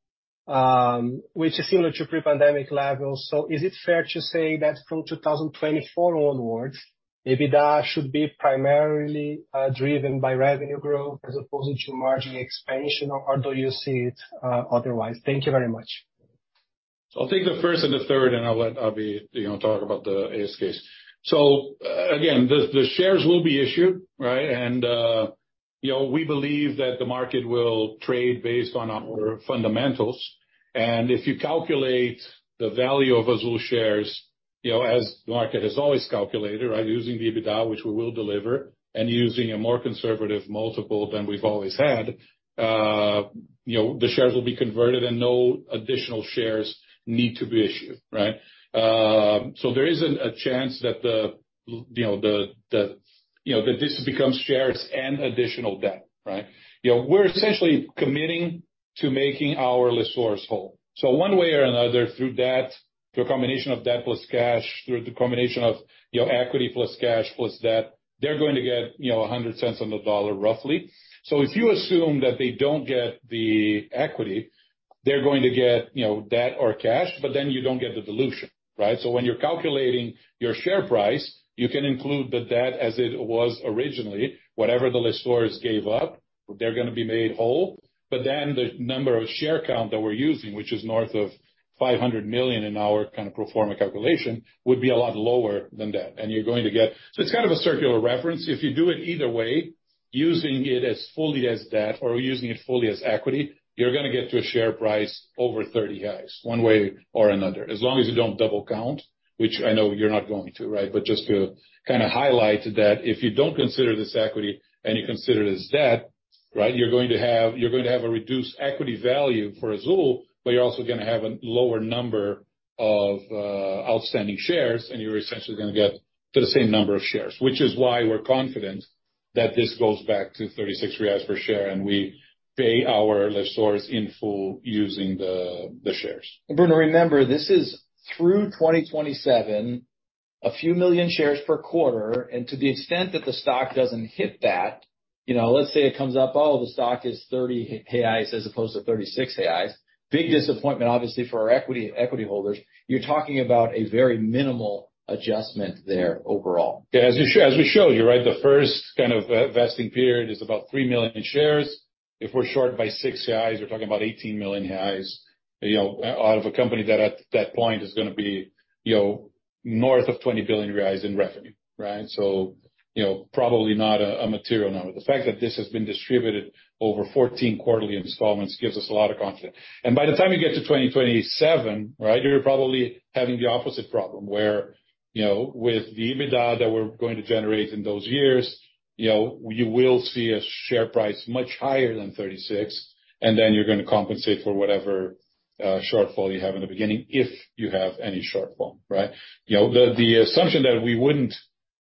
which is similar to pre-pandemic levels. Is it fair to say that from 2024 onwards, EBITDA should be primarily driven by revenue growth as opposed to margin expansion, or do you see it otherwise? Thank you very much. I'll take the first and the third, and I'll let Alex Malfitani, you know, talk about the ASK. Again, the shares will be issued, right? You know, we believe that the market will trade based on our fundamentals. If you calculate the value of Azul shares, you know, as the market has always calculated, right, using the EBITDA, which we will deliver, and using a more conservative multiple than we've always had, you know, the shares will be converted and no additional shares need to be issued, right? There isn't a chance that the, you know, that this becomes shares and additional debt, right? You know, we're essentially committing to making our lessors whole. One way or another, through debt, through a combination of debt plus cash, through the combination of, you know, equity plus cash plus debt, they're going to get, you know, $1.00 on the dollar, roughly. If you assume that they don't get the equity, they're going to get, you know, debt or cash, but then you don't get the dilution, right? When you're calculating your share price, you can include the debt as it was originally. Whatever the lessors gave up, they're gonna be made whole. The number of share count that we're using, which is north of 500 million in our kind of pro forma calculation, would be a lot lower than that. You're going to get. It's kind of a circular reference. If you do it either way, using it as fully as debt or using it fully as equity, you're gonna get to a share price over 30 one way or another, as long as you don't double count, which I know you're not going to, right? Just to kinda highlight that if you don't consider this equity and you consider it as debt, right? You're going to have a reduced equity value for Azul, but you're also gonna have a lower number of outstanding shares, and you're essentially gonna get to the same number of shares, which is why we're confident that this goes back to 36 reais per share, and we pay our lessors in full using the shares. Bruno, remember, this is through 2027, a few million shares per quarter, and to the extent that the stock doesn't hit that, you know, let's say it comes up, oh, the stock is R$30 as opposed to R$36. Big disappointment, obviously, for our equity holders. You're talking about a very minimal adjustment there overall. Yeah. As we showed you, right? The first kind of vesting period is about 3 million shares. If we're short by BRL six, we're talking about 18 million reais, you know, out of a company that at that point is gonna be, you know, north of 20 billion reais in revenue, right? You know, probably not a material number. The fact that this has been distributed over 14 quarterly installments gives us a lot of confidence. By the time you get to 2027, right? You're probably having the opposite problem, where, you know, with the EBITDA that we're going to generate in those years, you know, you will see a share price much higher than 36, and then you're gonna compensate for whatever shortfall you have in the beginning, if you have any shortfall, right? You know, the assumption that we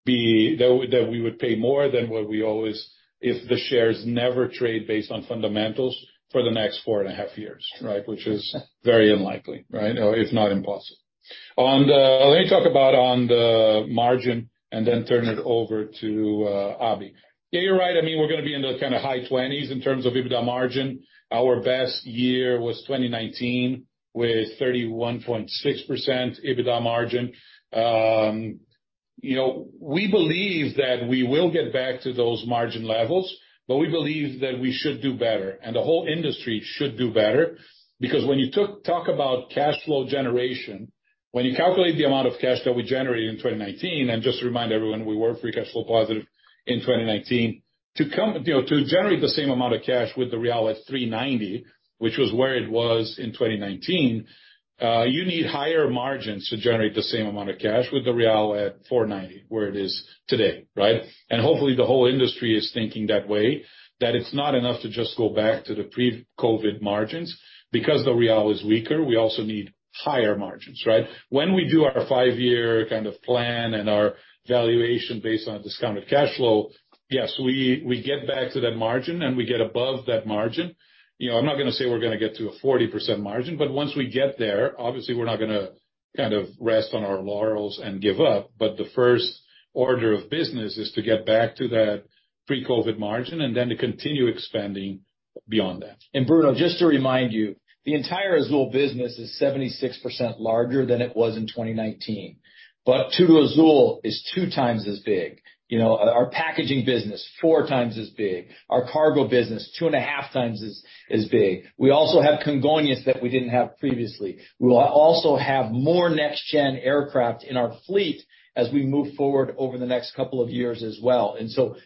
would pay more than what we always, if the shares never trade based on fundamentals for the next four and a half years, right? Which is very unlikely, right? It's not impossible. Let me talk about on the margin and then turn it over to Abhi. Yeah, you're right. I mean, we're gonna be in the kinda high twenties in terms of EBITDA margin. Our best year was 2019 with 31.6% EBITDA margin. You know, we believe that we will get back to those margin levels, but we believe that we should do better, and the whole industry should do better. When you talk about cash flow generation, when you calculate the amount of cash that we generated in 2019, and just to remind everyone, we were free cash flow positive in 2019. To come, you know, to generate the same amount of cash with the real at 3.90, which was where it was in 2019, you need higher margins to generate the same amount of cash with the real at 4.90, where it is today, right? Hopefully, the whole industry is thinking that way, that it's not enough to just go back to the pre-COVID margins. The real is weaker, we also need higher margins, right? When we do our five-year kind of plan and our valuation based on discounted cash flow, yes, we get back to that margin and we get above that margin. You know, I'm not gonna say we're gonna get to a 40% margin, but once we get there, obviously, we're not gonna kind of rest on our laurels and give up. The first order of business is to get back to that pre-COVID margin and then to continue expanding beyond that. Bruno, just to remind you, the entire Azul business is 76% larger than it was in 2019. TudoAzul is two times as big. You know, our packaging business, four times as big. Our cargo business, two and a half times as big. We also have Congonhas that we didn't have previously. We also have more next-gen aircraft in our fleet as we move forward over the next couple of years as well.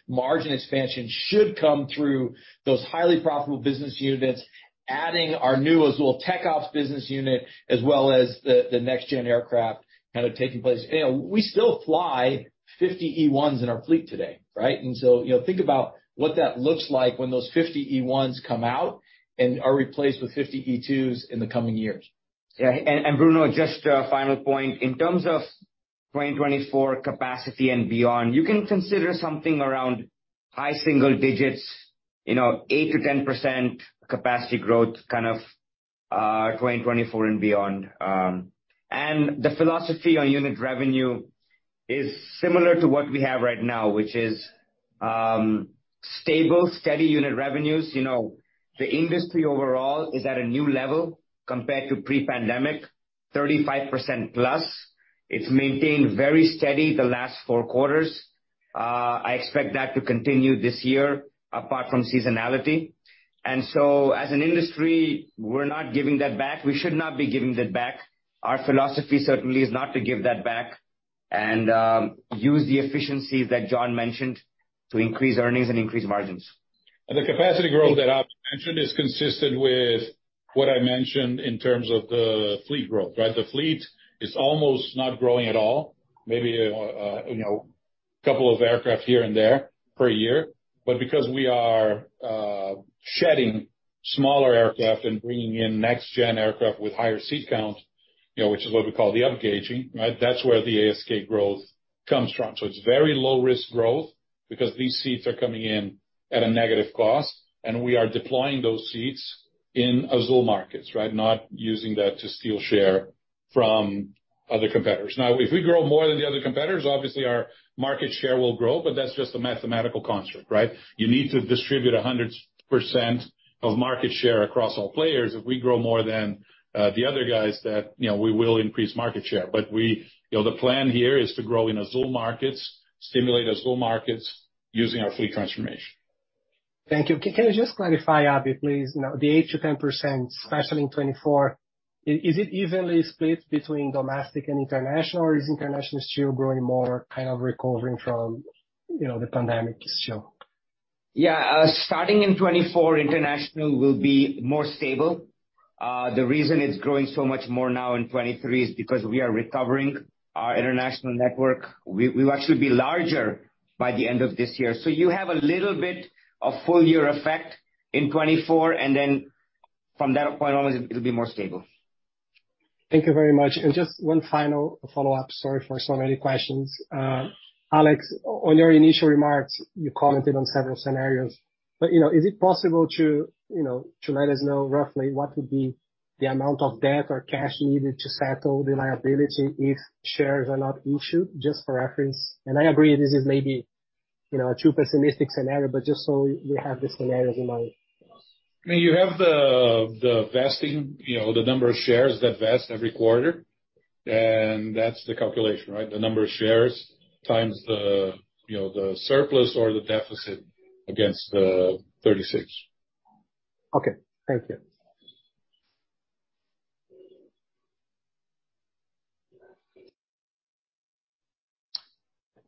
Margin expansion should come through those highly profitable business units, adding our new Azul TecOps business unit, as well as the next-gen aircraft kind of taking place. You know, we still fly 50 E1s in our fleet today, right? You know, think about what that looks like when those 50 E1s come out and are replaced with 50 E2s in the coming years. Yeah. Bruno, just a final point. In terms of 2024 capacity and beyond, you can consider something around high single digits, you know, 8%-10% capacity growth kind of, 2024 and beyond. The philosophy on unit revenue is similar to what we have right now, which is, stable, steady unit revenues. You know, the industry overall is at a new level compared to pre-pandemic, 35% plus. It's maintained very steady the last four quarters. I expect that to continue this year, apart from seasonality. As an industry, we're not giving that back. We should not be giving that back. Our philosophy certainly is not to give that back and, use the efficiencies that John mentioned to increase earnings and increase margins. The capacity growth that Abhi mentioned is consistent with what I mentioned in terms of the fleet growth, right? The fleet is almost not growing at all, maybe, you know, couple of aircraft here and there per year. Because we are shedding smaller aircraft and bringing in next-gen aircraft with higher seat count, you know, which is what we call the upgauging, right? That's where the ASK growth comes from. It's very low-risk growth because these seats are coming in at a negative cost, and we are deploying those seats in Azul markets, right? Not using that to steal share from other competitors. If we grow more than the other competitors, obviously our market share will grow, but that's just a mathematical construct, right? You need to distribute 100% of market share across all players. If we grow more than, the other guys that, you know, we will increase market share. We, you know, the plan here is to grow in Azul markets, stimulate Azul markets using our fleet transformation. Thank you. Can you just clarify, Abhi, please, you know, the 8%-10%, especially in 2024, is it evenly split between domestic and international, or is international still growing more, kind of recovering from, you know, the pandemic still? Starting in 2024, international will be more stable. The reason it's growing so much more now in 2023 is because we are recovering our international network. We'll actually be larger by the end of this year. You have a little bit of full year effect in 2024. From that point on, it'll be more stable. Thank you very much. Just one final follow-up. Sorry for so many questions. Alex, on your initial remarks, you commented on several scenarios, but, you know, is it possible to, you know, to let us know roughly what would be the amount of debt or cash needed to settle the liability if shares are not issued? Just for reference. I agree this is maybe, you know, a too pessimistic scenario, but just so we have the scenarios in mind. I mean, you have the vesting, you know, the number of shares that vest every quarter, and that's the calculation, right? The number of shares times the, you know, the surplus or the deficit against the 36. Okay. Thank you.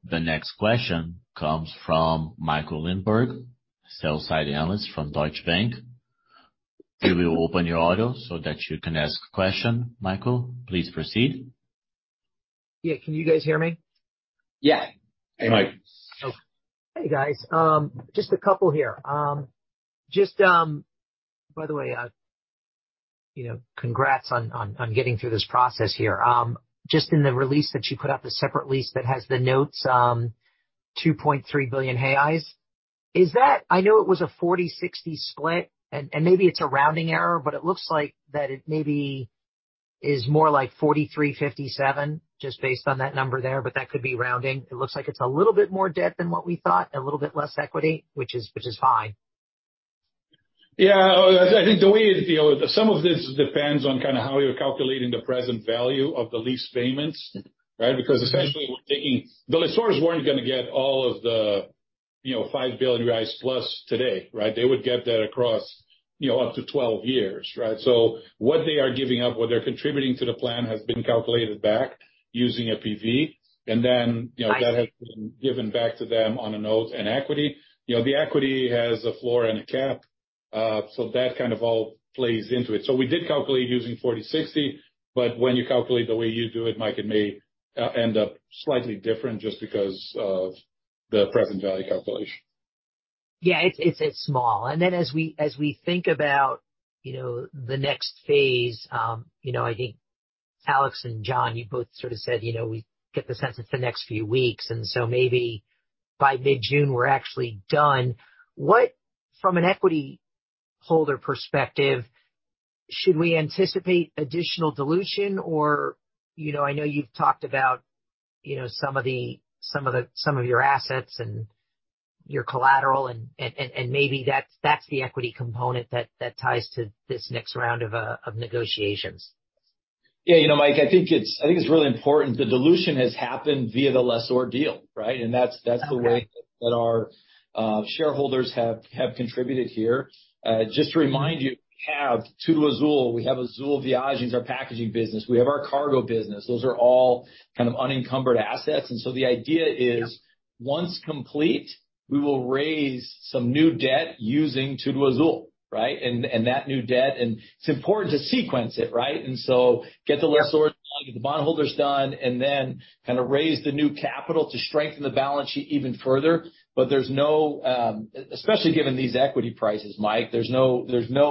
The next question comes from Michael Linenberg, sell-side analyst from Deutsche Bank. We will open your audio so that you can ask a question. Michael, please proceed. Yeah. Can you guys hear me? Yeah. Hi. Hey, guys. Just a couple here. By the way, you know, congrats on getting through this process here. Just in the release that you put out, the separate release that has the notes, 2.3 billion. I know it was a 40-60 split, and maybe it's a rounding error, but it looks like that it maybe is more like 43, 57 just based on that number there. That could be rounding. It looks like it's a little bit more debt than what we thought and a little bit less equity, which is, which is fine. Yeah. I think the way is, you know, some of this depends on kind of how you're calculating the present value of the lease payments, right? Because essentially The lessors weren't gonna get all of the, you know, 5 billion reais plus today, right? They would get that across, you know, up to 12 years, right? So what they are giving up, what they're contributing to the plan has been calculated back using a PV. Then, you know, that has been given back to them on a note and equity. You know, the equity has a floor and a cap, so that kind of all plays into it. We did calculate using 40-60, but when you calculate the way you do it, Mike, it may end up slightly different just because of the present value calculation. Yeah. It's small. As we think about, you know, the next phase, you know, I think Alex and John, you both sort of said, you know, we get the sense it's the next few weeks, maybe by mid-June we're actually done. What? From an equity holder perspective, should we anticipate additional dilution or? You know, I know you've talked about, you know, some of your assets and your collateral and maybe that's the equity component that ties to this next round of negotiations. Yeah. You know, Mike, I think it's really important the dilution has happened via the lessor deal, right? That's the way that our shareholders have contributed here. Just to remind you, we have TudoAzul, we have Azul Viagens, our packaging business, we have our cargo business. Those are all kind of unencumbered assets. The idea is, once complete, we will raise some new debt using TudoAzul, right? That new debt, and it's important to sequence it, right? Get the lessors done, get the bondholders done, and then kind of raise the new capital to strengthen the balance sheet even further. There's no, especially given these equity prices, Mike, there's no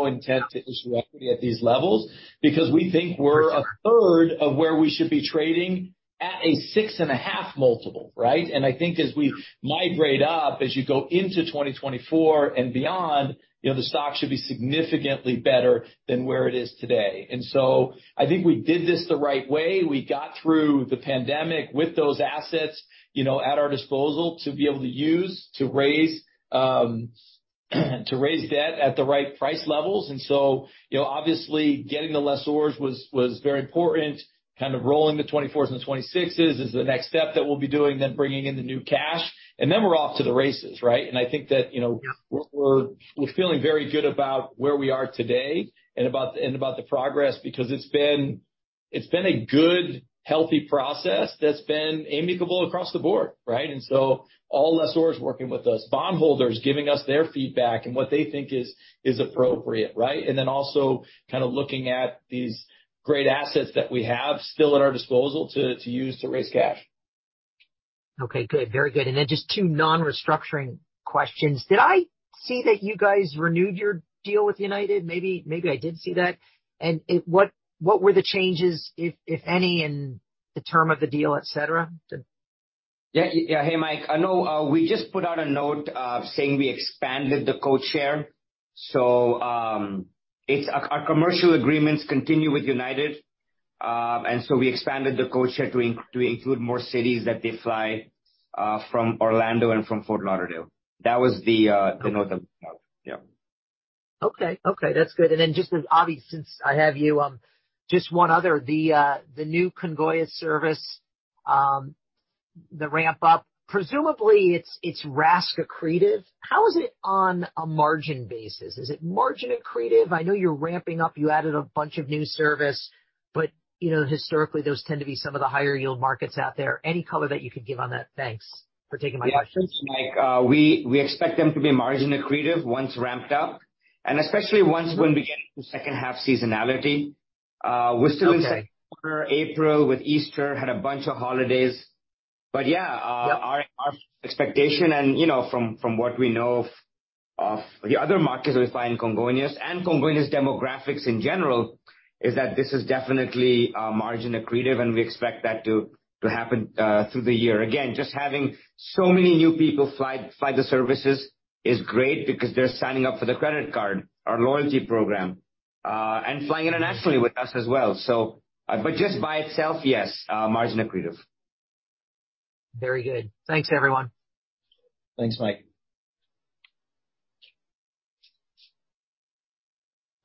intent to issue equity at these levels because we think we're a third of where we should be trading at a 6.5x multiple, right? I think as we migrate up, as you go into 2024 and beyond, you know, the stock should be significantly better than where it is today. I think we did this the right way. We got through the pandemic with those assets, you know, at our disposal to be able to use, to raise, to raise debt at the right price levels. You know, obviously getting the lessors was very important. Kind of rolling the 24s and the 26s is the next step that we'll be doing, then bringing in the new cash. Then we're off to the races, right? I think that, you know, we're feeling very good about where we are today and about the progress because it's been a good, healthy process that's been amicable across the board, right. All lessors working with us, bondholders giving us their feedback and what they think is appropriate, right. Also kind of looking at these great assets that we have still at our disposal to use to raise cash. Okay. Good. Very good. Then just two non-restructuring questions. Did I see that you guys renewed your deal with United? Maybe I did see that. What were the changes, if any, in the term of the deal, et cetera? Yeah. Yeah. Hey, Mike, I know, we just put out a note, saying we expanded the codeshare. Our commercial agreements continue with United, we expanded the codeshare to include more cities that they fly, from Orlando and from Fort Lauderdale. That was the note that went out. Yeah. Okay. Okay, that's good. Just Abhi, since I have you, just one other. The new Congonhas service, the ramp up, presumably it's RASK accretive. How is it on a margin basis? Is it margin accretive? I know you're ramping up, you added a bunch of new service, you know, historically those tend to be some of the higher yield markets out there. Any color that you could give on that? Thanks for taking my question. Yeah. Thanks, Mike. We expect them to be margin accretive once ramped up, and especially once we begin the second half seasonality. Okay. We're still in April with Easter, had a bunch of holidays. Yeah, Yep. Our expectation and, you know, from what we know of the other markets we find Congonhas and Congonhas demographics in general, is that this is definitely margin accretive, and we expect that to happen through the year. Again, just having so many new people fly the services is great because they're signing up for the credit card, our loyalty program and flying internationally with us as well. But just by itself, yes, margin accretive. Very good. Thanks, everyone. Thanks, Mike.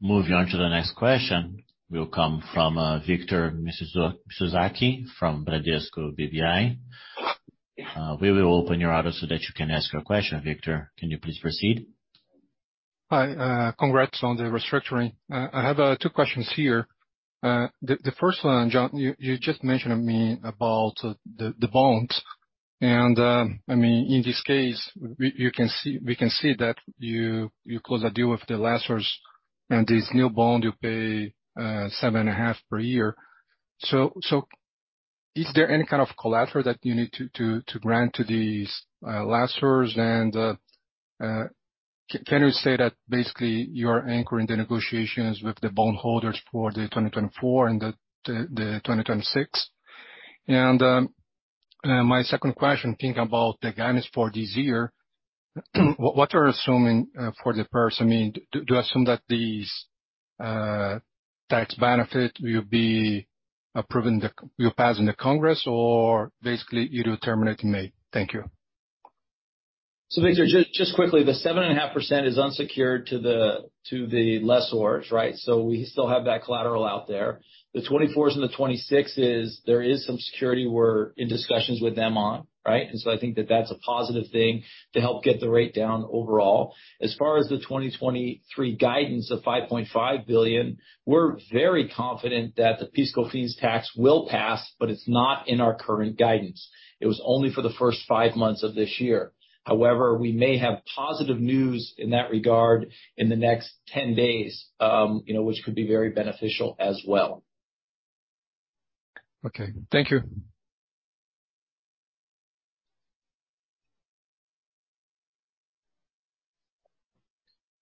Moving on to the next question. Will come from, Victor Mizusaki from Bradesco BBI. We will open your audio so that you can ask your question. Victor, can you please proceed? Hi, congrats on the restructuring. I have two questions here. The first one, John, you just mentioned to me about the bonds and, I mean, in this case, we can see that you closed a deal with the lessors and this new bond you pay 7.5% per year. Is there any kind of collateral that you need to grant to these lessors? Can you say that basically you are anchoring the negotiations with the bondholders for the 2024 and the 2026? My second question, thinking about the guidance for this year, what are you assuming for the first? I mean, do assume that these tax benefit will be approved in the... will pass in the Congress, or basically you determine it in May? Thank you. Victor, just quickly, the 7.5% is unsecured to the lessors, right? We still have that collateral out there. The 24s and the 26s, there is some security we're in discussions with them on, right? I think that that's a positive thing to help get the rate down overall. As far as the 2023 guidance of 5.5 billion, we're very confident that the fiscal fees tax will pass, but it's not in our current guidance. It was only for the first 5 months of this year. However, we may have positive news in that regard in the next 10 days, you know, which could be very beneficial as well. Okay. Thank you.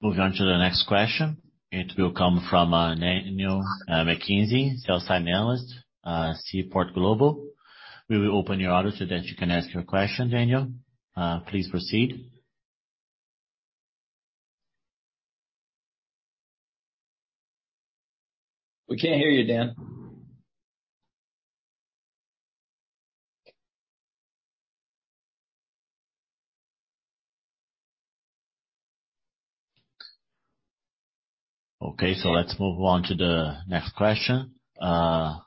Moving on to the next question. It will come from Daniel McKenzie, sell-side analyst, Seaport Global. We will open your audio so that you can ask your question, Daniel. Please proceed. We can't hear you, Dan. Okay. Let's move on to the next question. The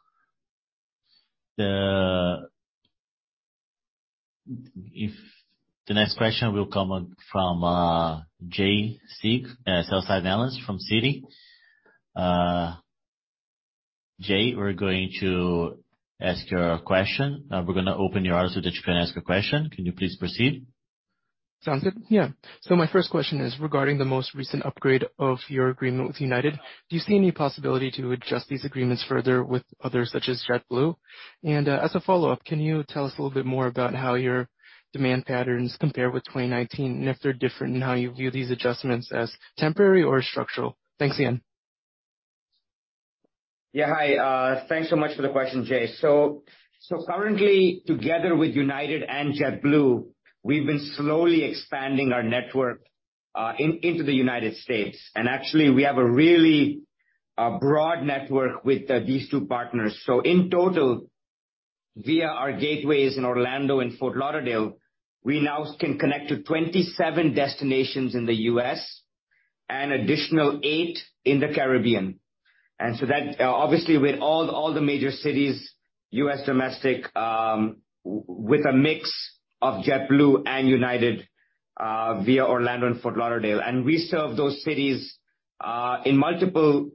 next question will come from Stephen Trent, sell-side analyst from Citi. Jay, we're going to ask your question. We're gonna open your line so that you can ask a question. Can you please proceed? Sounds good. Yeah. My first question is regarding the most recent upgrade of your agreement with United. Do you see any possibility to adjust these agreements further with others such as JetBlue? As a follow-up, can you tell us a little bit more about how your demand patterns compare with 2019, and if they're different in how you view these adjustments as temporary or structural? Thanks again. Yeah. Hi. Thanks so much for the question, Jay. Currently, together with United and JetBlue, we've been slowly expanding our network into the United States. Actually, we have a really broad network with these two partners. In total, via our gateways in Orlando and Fort Lauderdale, we now can connect to 27 destinations in the U.S. and additional eight in the Caribbean. That, obviously with all the major cities, US domestic, with a mix of JetBlue and United, via Orlando and Fort Lauderdale. We serve those cities in multiple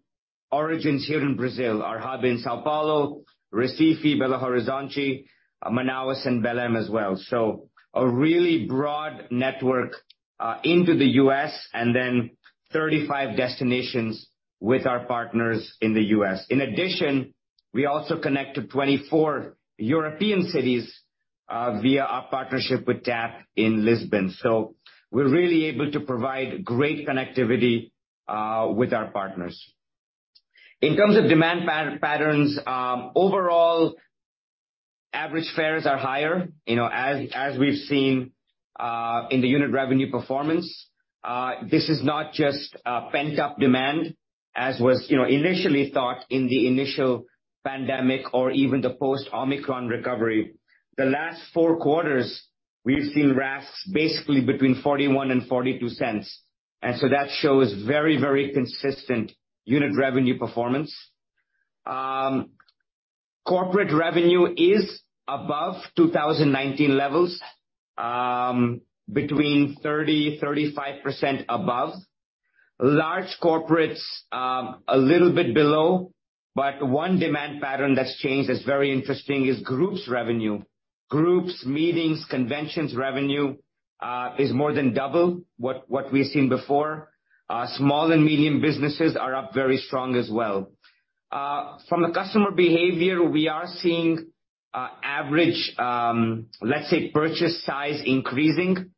origins here in Brazil, our hub in São Paulo, Recife, Belo Horizonte, Manaus and Belém as well. A really broad network into the U.S. and then 35 destinations with our partners in the U.S. .In addition, we also connect to 24 European cities via our partnership with TAP in Lisbon. We're really able to provide great connectivity with our partners. In terms of demand patterns, overall, average fares are higher, you know, as we've seen in the unit revenue performance. This is not just pent-up demand, as was, you know, initially thought in the initial pandemic or even the post Omicron recovery. The last Q1, we've seen RAS basically between 0.41 and 0.42. That shows very consistent unit revenue performance. Corporate revenue is above 2019 levels, between 30%-35% above. Large corporates, a little bit below, but one demand pattern that's changed that's very interesting is groups revenue. Groups, meetings, conventions revenue is more than double what we've seen before. Small and medium businesses are up very strong as well. From a customer behavior, we are seeing average, let's say, purchase size increasing.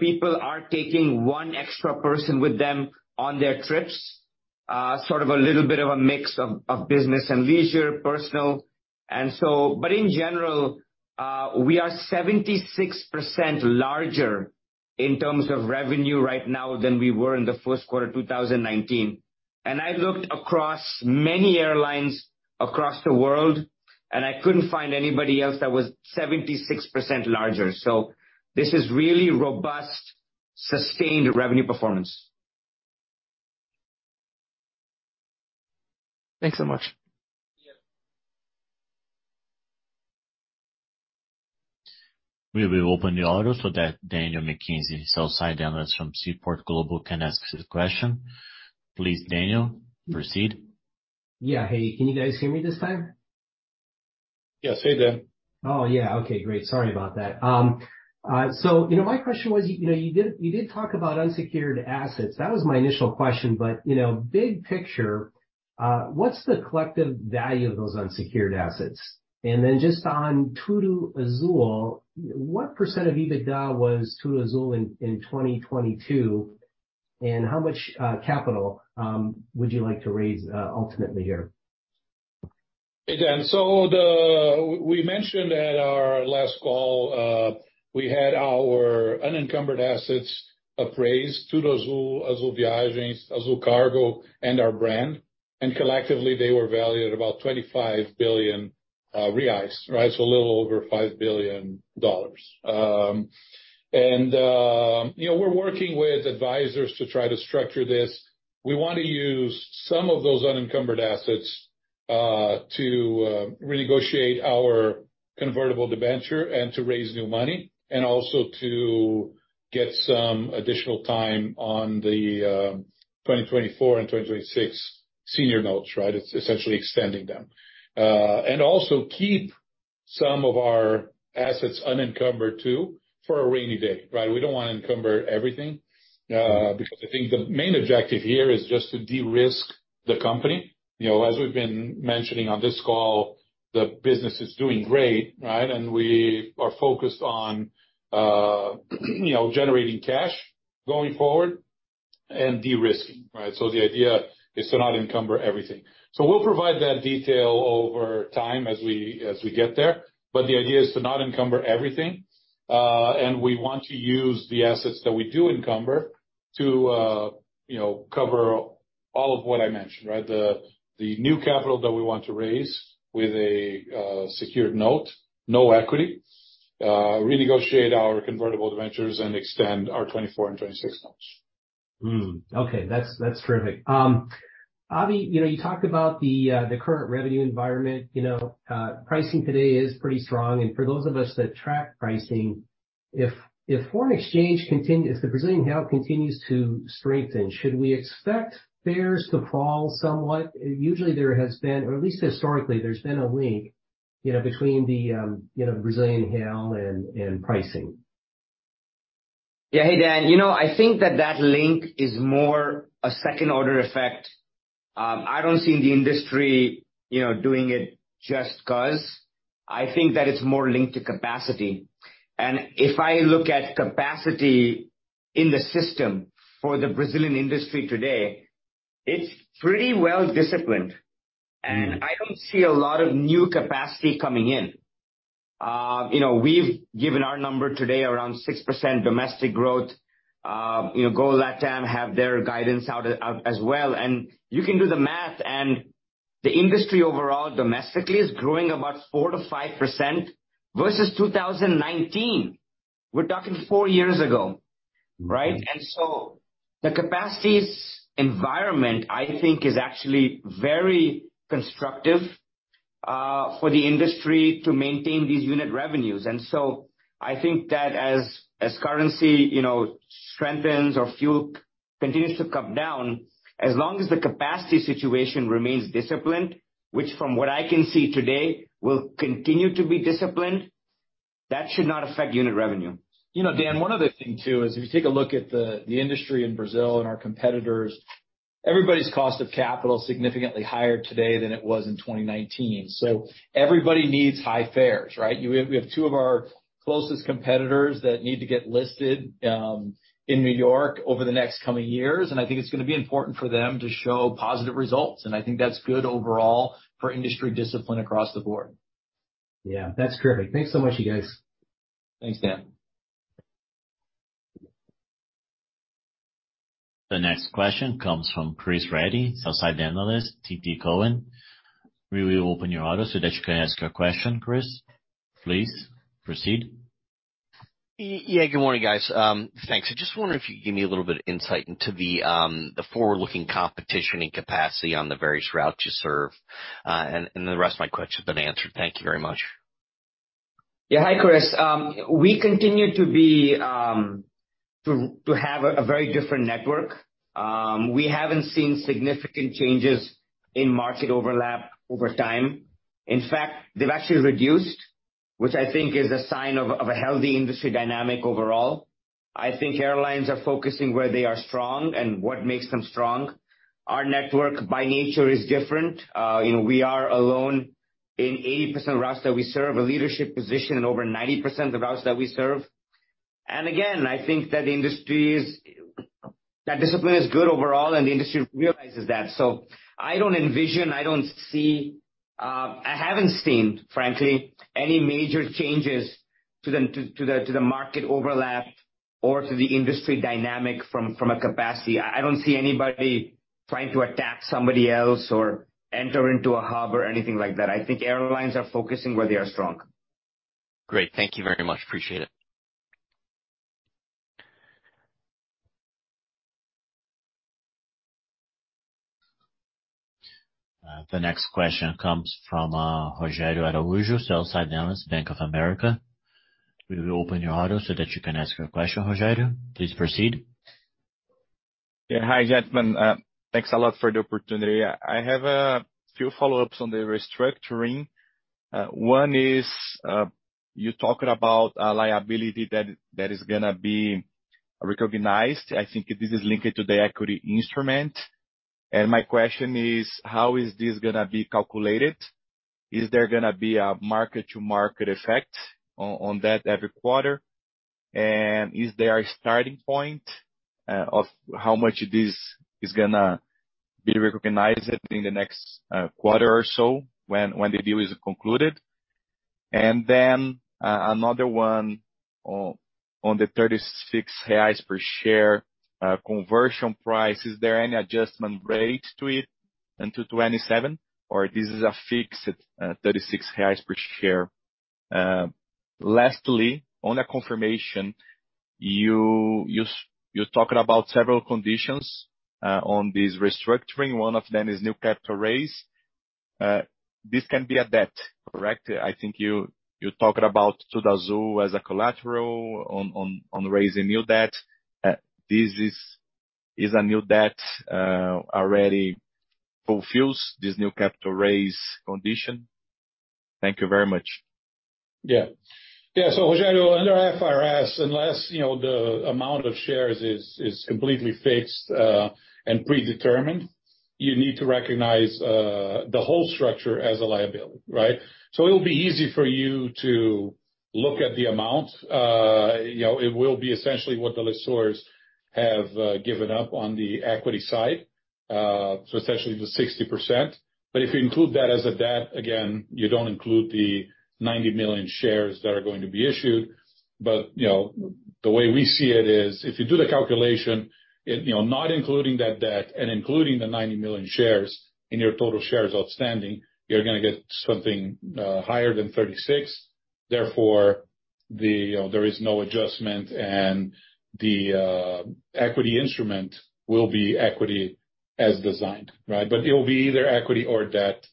People are taking one extra person with them on their trips, sort of a little bit of a mix of business and leisure, personal. In general, we are 76% larger in terms of revenue right now than we were in the 1st quarter of 2019. I looked across many airlines across the world, and I couldn't find anybody else that was 76% larger. This is really robust, sustained revenue performance. Thanks so much. Yeah. We will open the audio so that Daniel McKenzie, Sell-Side Analyst from Seaport Global, can ask his question. Please, Daniel, proceed. Yeah. Hey, can you guys hear me this time? Yes. Hey, Dan. Oh, yeah. Okay, great. Sorry about that. You know, my question was, you know, you did talk about unsecured assets. That was my initial question, you know, big picture, what's the collective value of those unsecured assets? Just on TudoAzul, what % of EBITDA was TudoAzul in 2022, and how much capital would you like to raise ultimately here? Hey, Dan. We mentioned at our last call, we had our unencumbered assets appraised, TudoAzul, Azul Viagens, Azul Cargo, and our brand. Collectively, they were valued at about R$25 billion, right? A little over $5 billion. You know, we're working with advisors to try to structure this. We want to use some of those unencumbered assets to renegotiate our convertible debenture and to raise new money and also to get some additional time on the 2024 and 2026 senior notes, right? It's essentially extending them. Also keep some of our assets unencumbered too for a rainy day, right? We don't wanna encumber everything because I think the main objective here is just to de-risk the company. You know, as we've been mentioning on this call, the business is doing great, right? We are focused on, you know, generating cash going forward and de-risking, right? The idea is to not encumber everything. We'll provide that detail over time as we, as we get there. The idea is to not encumber everything, and we want to use the assets that we do encumber to, you know, cover all of what I mentioned, right? The new capital that we want to raise with a secured note, no equity, renegotiate our convertible debentures and extend our 2024 and 2026 notes. Okay. That's terrific. Alex, you know, you talked about the current revenue environment. You know, pricing today is pretty strong. For those of us that track pricing, if the Brazilian real continues to strengthen, should we expect fares to fall somewhat? Usually there has been, or at least historically, there's been a link, you know, between the, you know, the Brazilian real and pricing. Yeah. Hey, Dan. You know, I think that that link is more a second-order effect. I don't see the industry, you know, doing it just 'cause. I think that it's more linked to capacity. If I look at capacity in the system for the Brazilian industry today, it's pretty well disciplined. I don't see a lot of new capacity coming in. You know, we've given our number today around 6% domestic growth. You know, Gol Latam have their guidance out as well. You can do the math, and the industry overall domestically is growing about 4%-5% versus 2019. We're talking 4 years ago, right? The capacities environment, I think, is actually very constructive for the industry to maintain these unit revenues. I think that as currency, you know, strengthens or fuel continues to come down, as long as the capacity situation remains disciplined, which from what I can see today will continue to be disciplined, that should not affect unit revenue. You know, Dan, one other thing too is if you take a look at the industry in Brazil and our competitors, everybody's cost of capital is significantly higher today than it was in 2019. Everybody needs high fares, right? We have two of our closest competitors that need to get listed in New York over the next coming years, and I think it's gonna be important for them to show positive results, and I think that's good overall for industry discipline across the board. Yeah. That's terrific. Thanks so much, you guys. Thanks, Dan. The next question comes from Chris Stathoulopoulos, sell side analyst, TD Cowen. We will open your audio so that you can ask your question, Chris. Please proceed. Yeah, good morning, guys. Thanks. I just wonder if you could give me a little bit of insight into the forward-looking competition and capacity on the various routes you serve. And the rest of my question has been answered. Thank you very much. Yeah. Hi, Chris. We continue to have a very different network. We haven't seen significant changes in market overlap over time. In fact, they've actually reduced, which I think is a sign of a healthy industry dynamic overall. I think airlines are focusing where they are strong and what makes them strong. Our network by nature is different. you know, we are alone in 80% of routes that we serve, a leadership position in over 90% of the routes that we serve. Again, I think that discipline is good overall and the industry realizes that. I don't envision, I don't see, I haven't seen, frankly, any major changes to the market overlap or to the industry dynamic from a capacity. I don't see anybody trying to attack somebody else or enter into a hub or anything like that. I think airlines are focusing where they are strong. Great. Thank you very much. Appreciate it. The next question comes from Rogério Araújo, sell side analyst, Bank of America. We will open your audio so that you can ask your question, Rogério. Please proceed. Yeah. Hi, gentlemen. Thanks a lot for the opportunity. I have a few follow-ups on the restructuring. One is, you talked about a liability that is gonna be recognized. I think this is linked to the equity instrument. My question is, how is this gonna be calculated? Is there gonna be a market-to-market effect on that every quarter? Is there a starting point of how much this is gonna be recognized in the next quarter or so when the deal is concluded? Then another one on the 36 reais per share conversion price. Is there any adjustment rate to it into 2027, or this is a fixed 36 reais per share? Lastly, on a confirmation, you talked about several conditions on this restructuring. One of them is new capital raise. This can be a debt, correct? I think you talked about Azul as a collateral on raising new debt. This is a new debt already fulfills this new capital raise condition? Thank you very much. Yeah. Yeah. Rogério, under IFRS, unless, you know, the amount of shares is completely fixed, and predetermined, you need to recognize the whole structure as a liability, right? It'll be easy for you to look at the amount. You know, it will be essentially what the lessors have given up on the equity side, so essentially the 60%. If you include that as a debt, again, you don't include the 90 million shares that are going to be issued. You know, the way we see it is, if you do the calculation, you know, not including that debt and including the 90 million shares in your total shares outstanding, you're gonna get something higher than 36. Therefore, you know, there is no adjustment and the equity instrument will be equity as designed, right? It will be either equity or debt.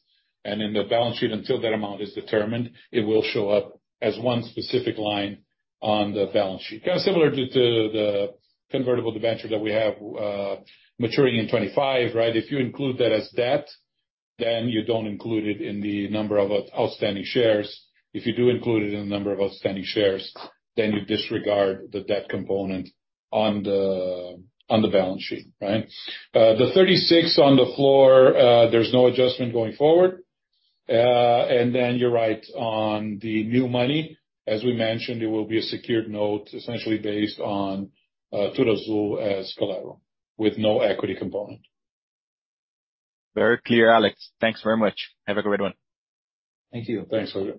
In the balance sheet, until that amount is determined, it will show up as one specific line on the balance sheet. Kind of similar to the convertible debenture that we have maturing in 2025, right? If you include that as debt, then you don't include it in the number of outstanding shares. If you do include it in the number of outstanding shares, then you disregard the debt component on the balance sheet, right? The 36 on the floor, there's no adjustment going forward. You're right on the new money. As we mentioned, it will be a secured note, essentially based on TudoAzul as collateral with no equity component. Very clear, Alex. Thanks very much. Have a great one. Thank you. Thanks, Rogério.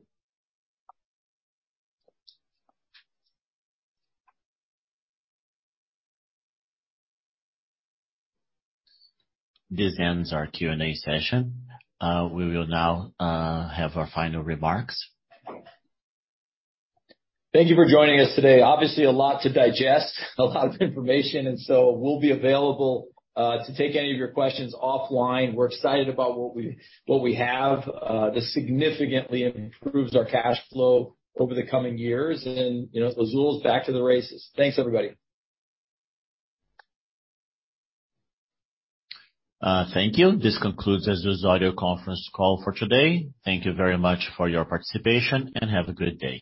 This ends our Q&A session. We will now have our final remarks. Thank you for joining us today. Obviously a lot to digest, a lot of information. We'll be available to take any of your questions offline. We're excited about what we have. This significantly improves our cash flow over the coming years and, you know, Azul is back to the races. Thanks, everybody. Thank you. This concludes Azul's audio conference call for today. Thank you very much for your participation. Have a great day.